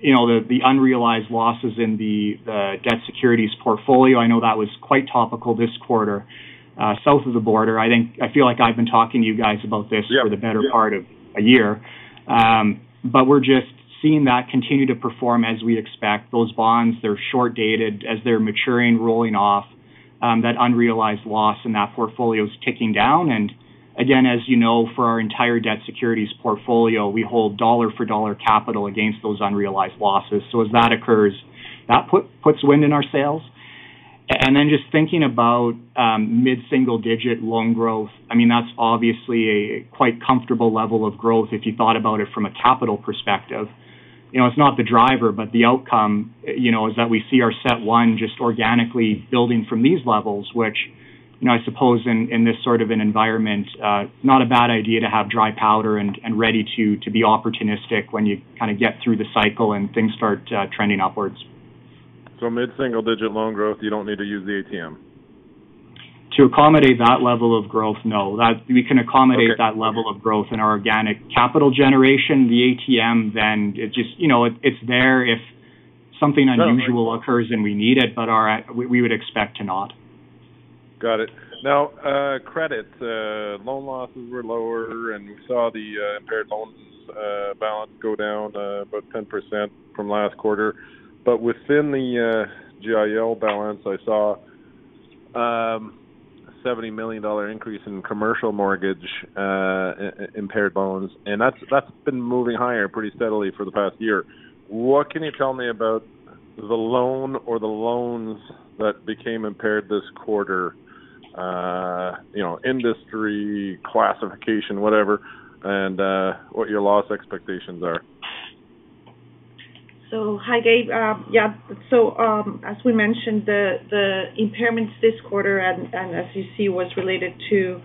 you know, the unrealized losses in the debt securities portfolio. I know that was quite topical this quarter, south of the border. I feel like I've been talking to you guys about this. Yeah. for the better part of a year. We're just seeing that continue to perform as we expect. Those bonds, they're short-dated. As they're maturing, rolling off, that unrealized loss in that portfolio is ticking down. Again, as you know, for our entire debt securities portfolio, we hold dollar-for-dollar capital against those unrealized losses. As that occurs, that puts wind in our sails. Just thinking about mid-single-digit loan growth, I mean, that's obviously a quite comfortable level of growth if you thought about it from a capital perspective. You know, it's not the driver, but the outcome, you know, is that we see our CET1 just organically building from these levels, which, you know, I suppose in this sort of an environment, it's not a bad idea to have dry powder and ready to be opportunistic when you kind of get through the cycle and things start trending upwards. mid-single-digit loan growth, you don't need to use the ATM? To accommodate that level of growth, no. We can accommodate- Okay. that level of growth in our organic capital generation. The ATM, then, you know, it's there if something unusual occurs. Sure. we need it, but our, we would expect to not. Got it. Now, credit. Loan losses were lower, and we saw the impaired loans balance go down about 10% from last quarter. Within the GIL balance, I saw 70 million dollar increase in commercial mortgage impaired loans, and that's been moving higher pretty steadily for the past year. What can you tell me about the loan or the loans that became impaired this quarter? You know, industry, classification, whatever, and what your loss expectations are. Hi, Gabe. As we mentioned, the impairments this quarter and as you see, was related to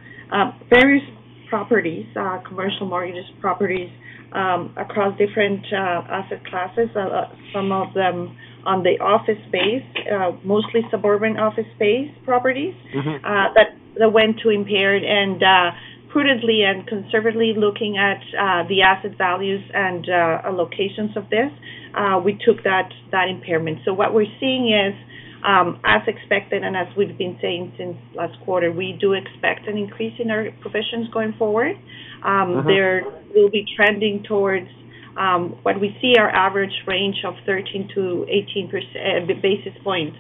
various properties, commercial mortgage properties, across different asset classes. Some of them on the office space, mostly suburban office space properties. Mm-hmm. that went to impaired. Prudently and conservatively looking at, the asset values and, allocations of this, we took that impairment. What we're seeing is, as expected, and as we've been saying since last quarter, we do expect an increase in our provisions going forward. Mm-hmm. There will be trending towards what we see our average range of 13%-18% basis points.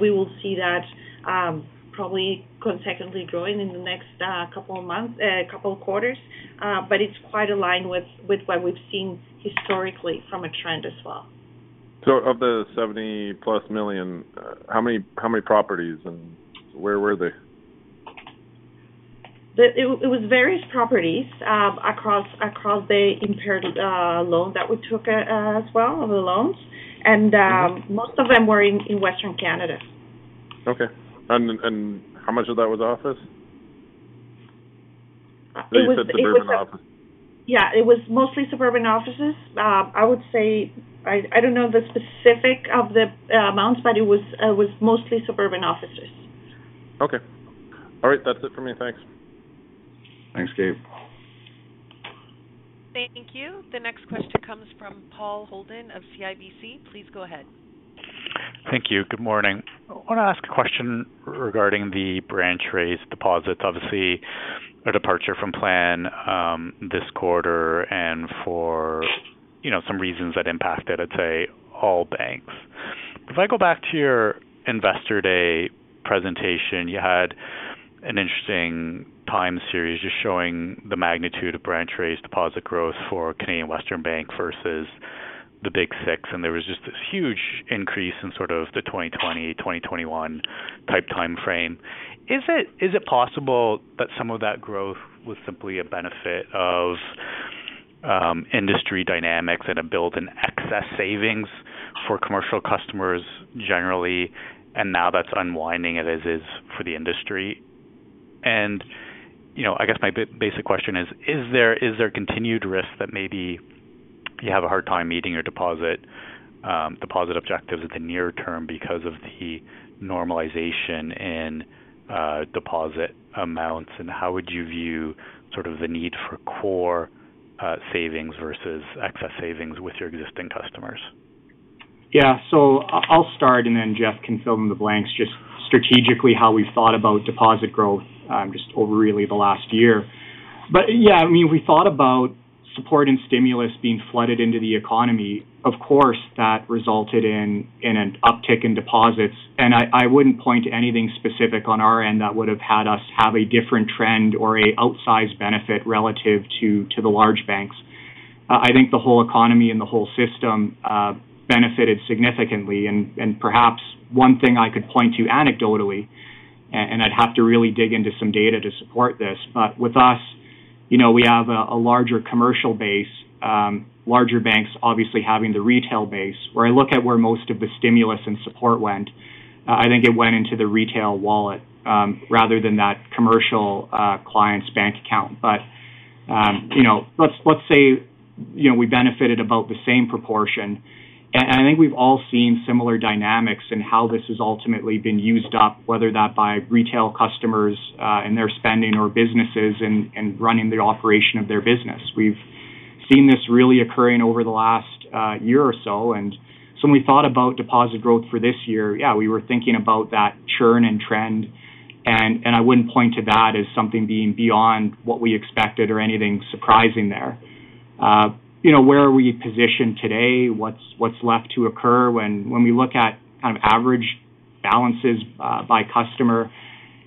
We will see that probably consecutively growing in the next couple of months, couple of quarters. It's quite aligned with what we've seen historically from a trend as well. Of the 70+ million, how many properties, and where were they? It was various properties, across the impaired loan that we took, as well, the loans. Mm-hmm. Most of them were in Western Canada. Okay. How much of that was office? I think you said suburban office. Yeah, it was mostly suburban offices. I would say... I don't know the specific of the amounts, but it was mostly suburban offices. Okay. All right. That's it for me. Thanks. Thanks, Gabe. Thank you. The next question comes from Paul Holden of CIBC. Please go ahead. Thank you. Good morning. I want to ask a question regarding the branch raised deposits. Obviously, a departure from plan, this quarter, for, you know, some reasons that impacted, I'd say, all banks. If I go back to your Investor Day presentation, you had an interesting time series just showing the magnitude of branch raised deposit growth for Canadian Western Bank versus the Big 6, there was just this huge increase in sort of the 2020, 2021 type timeframe. Is it possible that some of that growth was simply a benefit of industry dynamics and a build in excess savings for commercial customers generally, and now that's unwinding it as is for the industry? You know, I guess my basic question is: Is there continued risk that maybe you have a hard time meeting your deposit objectives at the near term because of the normalization in deposit amounts? How would you view sort of the need for core savings versus excess savings with your existing customers? I'll start, and then Jeff can fill in the blanks, just strategically how we've thought about deposit growth, just over really the last year. Yeah, I mean, we thought about support and stimulus being flooded into the economy. Of course, that resulted in an uptick in deposits, and I wouldn't point to anything specific on our end that would've had us have a different trend or an outsized benefit relative to the large banks. I think the whole economy and the whole system benefited significantly. Perhaps 1 thing I could point to anecdotally, and I'd have to really dig into some data to support this, but you know, we have a larger commercial base, larger banks obviously having the retail base. Where I look at where most of the stimulus and support went, I think it went into the retail wallet, rather than that commercial client's bank account. You know, let's say, you know, we benefited about the same proportion. I think we've all seen similar dynamics in how this has ultimately been used up, whether that by retail customers, and their spending, or businesses and running the operation of their business. We've seen this really occurring over the last year or so. When we thought about deposit growth for this year, yeah, we were thinking about that churn and trend, and I wouldn't point to that as something being beyond what we expected or anything surprising there. You know, where are we positioned today? What's left to occur? When we look at kind of average balances, by customer,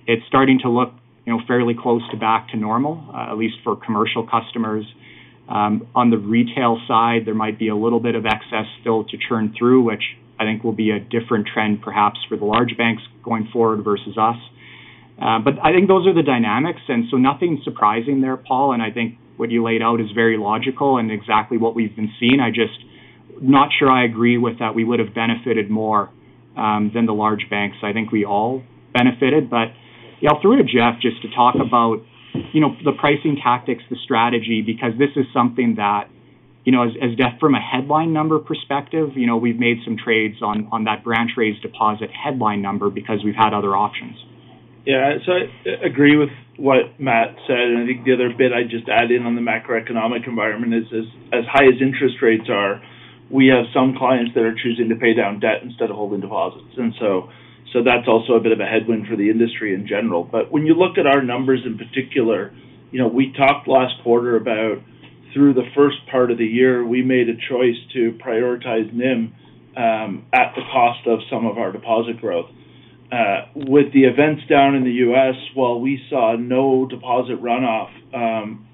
it's starting to look, you know, fairly close to back to normal, at least for commercial customers. On the retail side, there might be a little bit of excess still to churn through, which I think will be a different trend, perhaps, for the large banks going forward versus us. I think those are the dynamics. Nothing surprising there, Paul. I think what you laid out is very logical and exactly what we've been seeing. I just, not sure I agree with that we would've benefited more, than the large banks. I think we all benefited. Yeah, I'll throw to Jeff just to talk about, you know, the pricing tactics, the strategy, because this is something that, you know, as from a headline number perspective, you know, we've made some trades on that branch raised deposit headline number because we've had other options. I agree with what Matt said, and I think the other bit I'd just add in on the macroeconomic environment is as high as interest rates are, we have some clients that are choosing to pay down debt instead of holding deposits. That's also a bit of a headwind for the industry in general. When you look at our numbers in particular, you know, we talked last quarter about through the first part of the year, we made a choice to prioritize NIM at the cost of some of our deposit growth. With the events down in the US, while we saw no deposit runoff,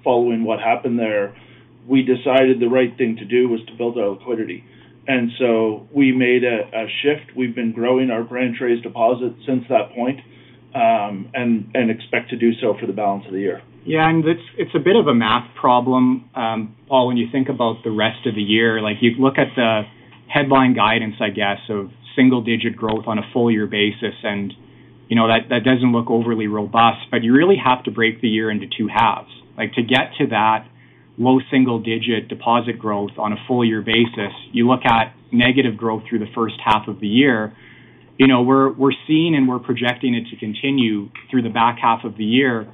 following what happened there, we decided the right thing to do was to build our liquidity. We made a shift. We've been growing our branch raised deposits since that point, and expect to do so for the balance of the year. It's a bit of a math problem. Paul, when you think about the rest of the year, like, you look at the headline guidance, I guess, of single digit growth on a full year basis, you know, that doesn't look overly robust, you really have to break the year into 2 halves. To get to that low single digit deposit growth on a full year basis, you look at negative growth through the H1 of the year. You know, we're seeing, we're projecting it to continue through the back half of the year,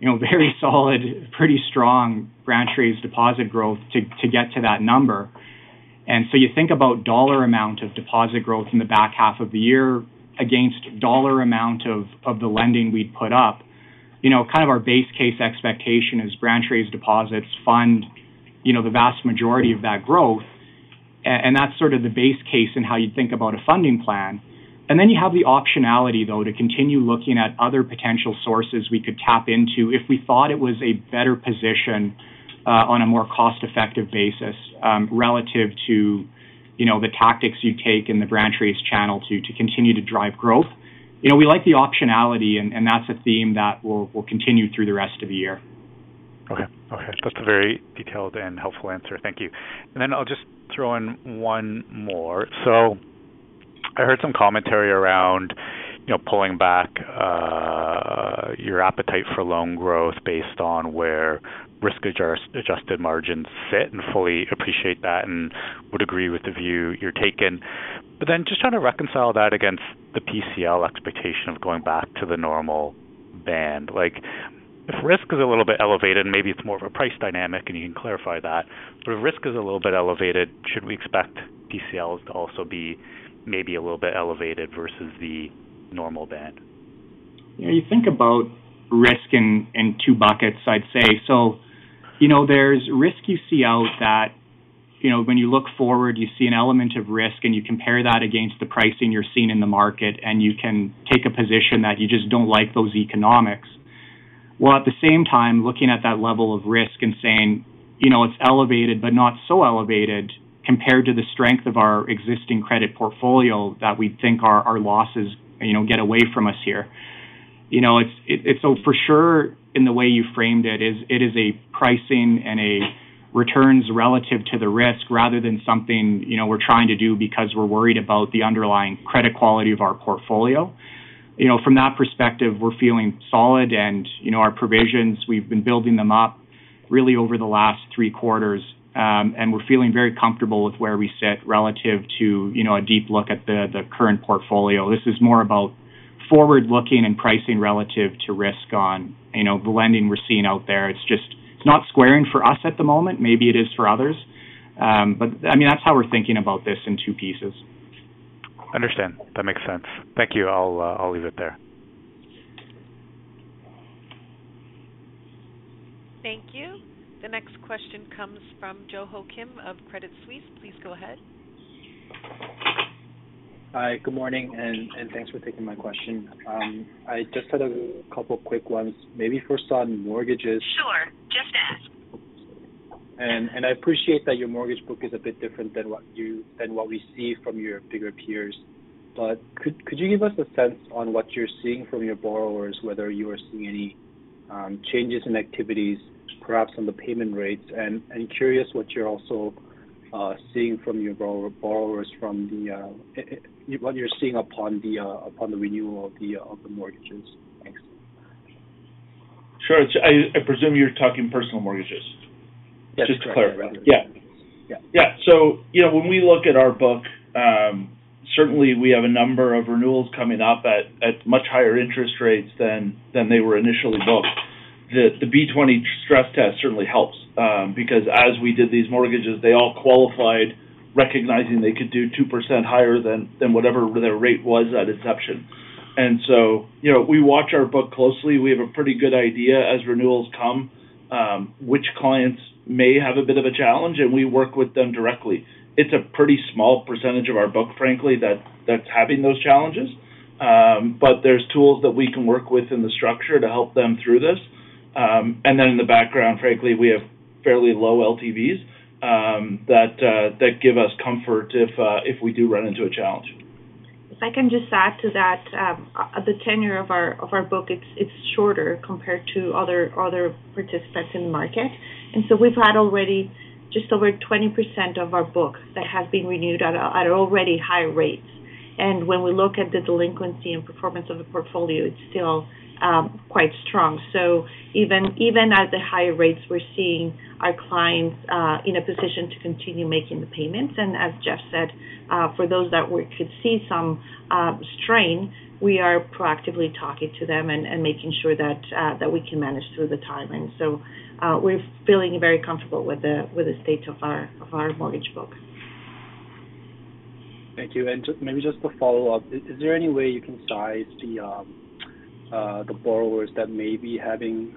you know, very solid, pretty strong branch raised deposit growth to get to that number. You think about dollar amount of deposit growth in the back half of the year against dollar amount of the lending we'd put up, you know, kind of our base case expectation is branch raised deposits fund, you know, the vast majority of that growth. That's sort of the base case in how you'd think about a funding plan. Then you have the optionality, though, to continue looking at other potential sources we could tap into if we thought it was a better position on a more cost-effective basis relative to, you know, the tactics you take in the branch raised channel to continue to drive growth. We like the optionality and that's a theme that will continue through the rest of the year. Okay. That's a very detailed and helpful answer. Thank you. I'll just throw in 1 more. I heard some commentary around, you know, pulling back your appetite for loan growth based on where risk adjusted margins sit, and fully appreciate that and would agree with the view you're taking. Just trying to reconcile that against the PCL expectation of going back to the normal band. Like, if risk is a little bit elevated, and maybe it's more of a price dynamic, and you can clarify that, but if risk is a little bit elevated, should we expect PCLs to also be maybe a little bit elevated versus the normal band? Yeah, you think about risk in 2 buckets, I'd say. You know, there's risk you see out that, you know, when you look forward, you see an element of risk, and you compare that against the pricing you're seeing in the market, and you can take a position that you just don't like those economics. At the same time, looking at that level of risk and saying, "You know, it's elevated, but not so elevated compared to the strength of our existing credit portfolio that we think our losses, you know, get away from us here." You know, it's so for sure, in the way you framed it, is it is a pricing and a returns relative to the risk rather than something, you know, we're trying to do because we're worried about the underlying credit quality of our portfolio. You know, from that perspective, we're feeling solid and, you know, our provisions, we've been building them up really over the last 3 quarters. We're feeling very comfortable with where we sit relative to, you know, a deep look at the current portfolio. This is more about forward looking and pricing relative to risk on, you know, the lending we're seeing out there. It's just, it's not squaring for us at the moment. Maybe it is for others. I mean, that's how we're thinking about this in 2 pieces. Understand. That makes sense. Thank you. I'll leave it there. Thank you. The next question comes from Joo Ho Kim of Credit Suisse. Please go ahead. Hi, good morning, and thanks for taking my question. I just had a couple quick ones. Maybe first on mortgages. Sure. I appreciate that your mortgage book is a bit different than what we see from your bigger peers. Could you give us a sense on what you're seeing from your borrowers, whether you are seeing any changes in activities, perhaps on the payment rates? I'm curious what you're also seeing from your borrowers from the what you're seeing upon the renewal of the mortgages. Thanks. Sure. I presume you're talking personal mortgages? Yes, correct. Just to clarify. Yeah. Yeah. Yeah. You know, when we look at our book, certainly we have a number of renewals coming up at much higher interest rates than they were initially booked. The B-20 stress test certainly helps because as we did these mortgages, they all qualified, recognizing they could do 2% higher than whatever their rate was at inception. You know, we watch our book closely. We have a pretty good idea as renewals come, which clients may have a bit of a challenge, and we work with them directly. It's a pretty small percentage of our book, frankly, that's having those challenges. There's tools that we can work with in the structure to help them through this. In the background, frankly, we have fairly low LTVs that give us comfort if we do run into a challenge. If I can just add to that, the tenure of our book, it's shorter compared to other participants in the market. We've had already just over 20% of our book that has been renewed at already high rates. When we look at the delinquency and performance of the portfolio, it's still quite strong. Even at the higher rates, we're seeing our clients in a position to continue making the payments. As Jeff said, for those that we could see some strain, we are proactively talking to them and making sure that we can manage through the timing. We're feeling very comfortable with the state of our mortgage book. Thank you. Maybe just a follow-up. Is there any way you can size the borrowers that may be having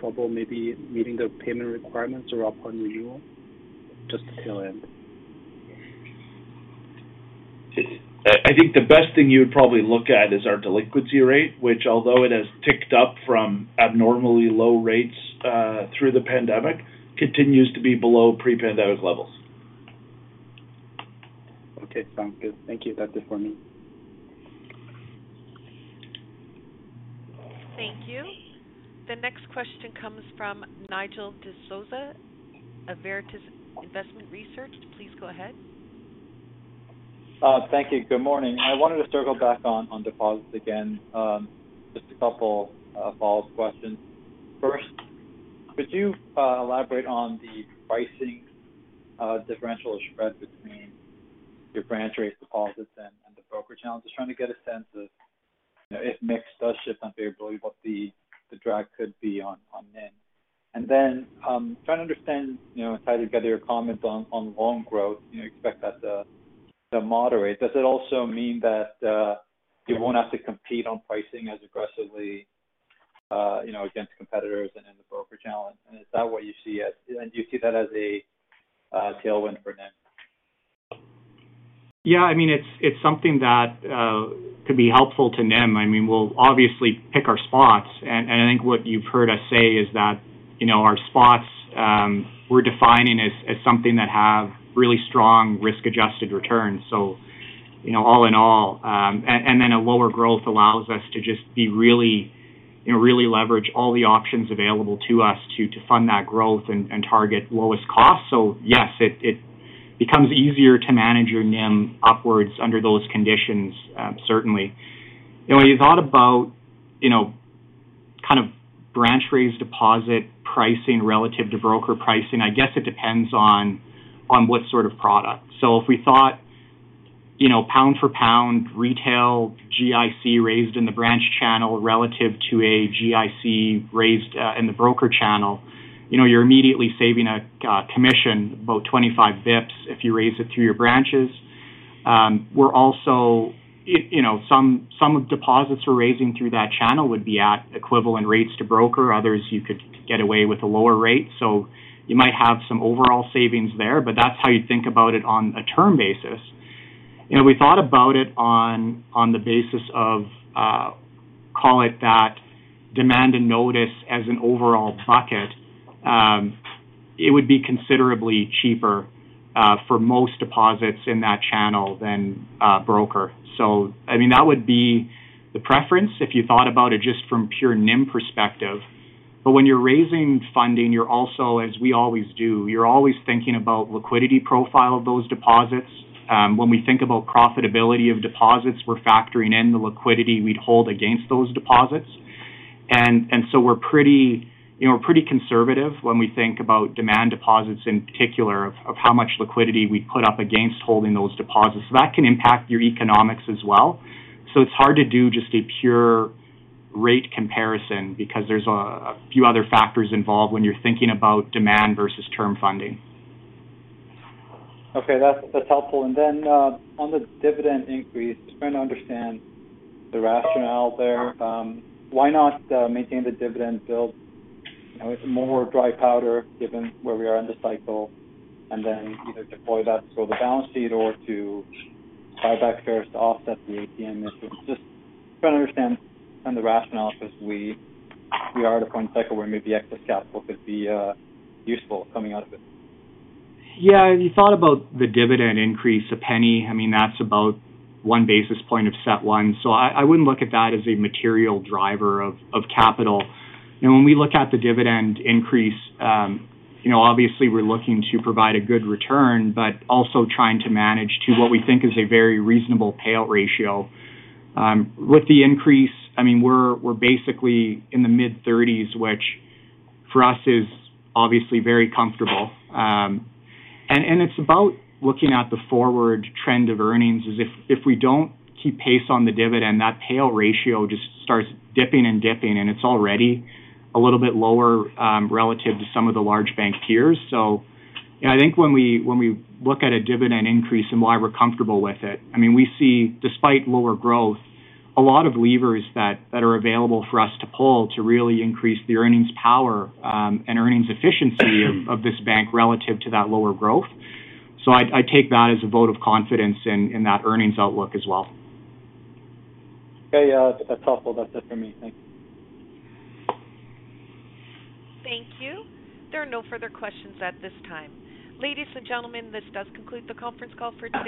trouble maybe meeting their payment requirements or upon renewal, just to tail end? I think the best thing you would probably look at is our delinquency rate, which although it has ticked up from abnormally low rates through the pandemic, continues to be below pre-pandemic levels. Okay. Sounds good. Thank you. That's it for me. Thank you. The next question comes from Nigel D'Souza of Veritas Investment Research. Please go ahead. Thank you. Good morning. I wanted to circle back on deposits again. Just 2 follow-up questions. First, could you elaborate on the pricing differential or spread between your branch rates deposits and the broker channel? Just trying to get a sense of, you know, if mix does shift unfavorably, what the drag could be on NIM. Then, trying to understand, you know, tie together your comments on loan growth, you expect that to moderate. Does it also mean that you won't have to compete on pricing as aggressively, you know, against competitors and in the broker channel? Do you see that as a tailwind for NIM? Yeah, I mean, it's something that could be helpful to NIM. I mean, we'll obviously pick our spots. I think what you've heard us say is that, you know, our spots, we're defining as something that have really strong risk-adjusted returns. You know, all in all, and then a lower growth allows us to just be really, you know, really leverage all the options available to us to fund that growth and target lowest cost. Yes, it becomes easier to manage your NIM upwards under those conditions, certainly. You know, when you thought about, you know, kind of branch raised deposit pricing relative to broker pricing, I guess it depends on what sort of product. If we thought, you know, pound for pound, retail, GIC raised in the branch channel relative to a GIC raised in the broker channel, you know, you're immediately saving a commission, about 25 bips, if you raise it through your branches. We're also, you know, some deposits we're raising through that channel would be at equivalent rates to broker, others you could get away with a lower rate. You might have some overall savings there, but that's how you think about it on a term basis. You know, we thought about it on the basis of call it that, demand and notice as an overall bucket. It would be considerably cheaper for most deposits in that channel than broker. I mean, that would be the preference if you thought about it just from pure NIM perspective. When you're raising funding, you're also, as we always do, you're always thinking about liquidity profile of those deposits. When we think about profitability of deposits, we're factoring in the liquidity we'd hold against those deposits. So we're pretty, you know, we're pretty conservative when we think about demand deposits in particular, of how much liquidity we put up against holding those deposits. That can impact your economics as well. It's hard to do just a pure rate comparison, because there's a few other factors involved when you're thinking about demand versus term funding. Okay, that's helpful. Then, on the dividend increase, just trying to understand the rationale there. Why not maintain the dividend build with more dry powder, given where we are in the cycle, and then either deploy that to grow the balance sheet or to buy back shares to offset the ATM issues? Just trying to understand the rationale, because we are at a point in cycle where maybe excess capital could be useful coming out of it. Yeah, if you thought about the dividend increase, CAD 0.01, I mean, that's about 1 basis point of CET1. I wouldn't look at that as a material driver of capital. You know, when we look at the dividend increase, you know, obviously, we're looking to provide a good return, but also trying to manage to what we think is a very reasonable payout ratio. With the increase, I mean, we're basically in the mid-30s%, which for us is obviously very comfortable. And it's about looking at the forward trend of earnings, is if we don't keep pace on the dividend, that payout ratio just starts dipping and dipping, and it's already a little bit lower, relative to some of the large bank peers. You know, I think when we look at a dividend increase and why we're comfortable with it, I mean, we see, despite lower growth, a lot of levers that are available for us to pull to really increase the earnings power and earnings efficiency of this bank relative to that lower growth. I take that as a vote of confidence in that earnings outlook as well. Okay, that's helpful. That's it for me. Thank you. Thank you. There are no further questions at this time. Ladies and gentlemen, this does conclude the conference call for today.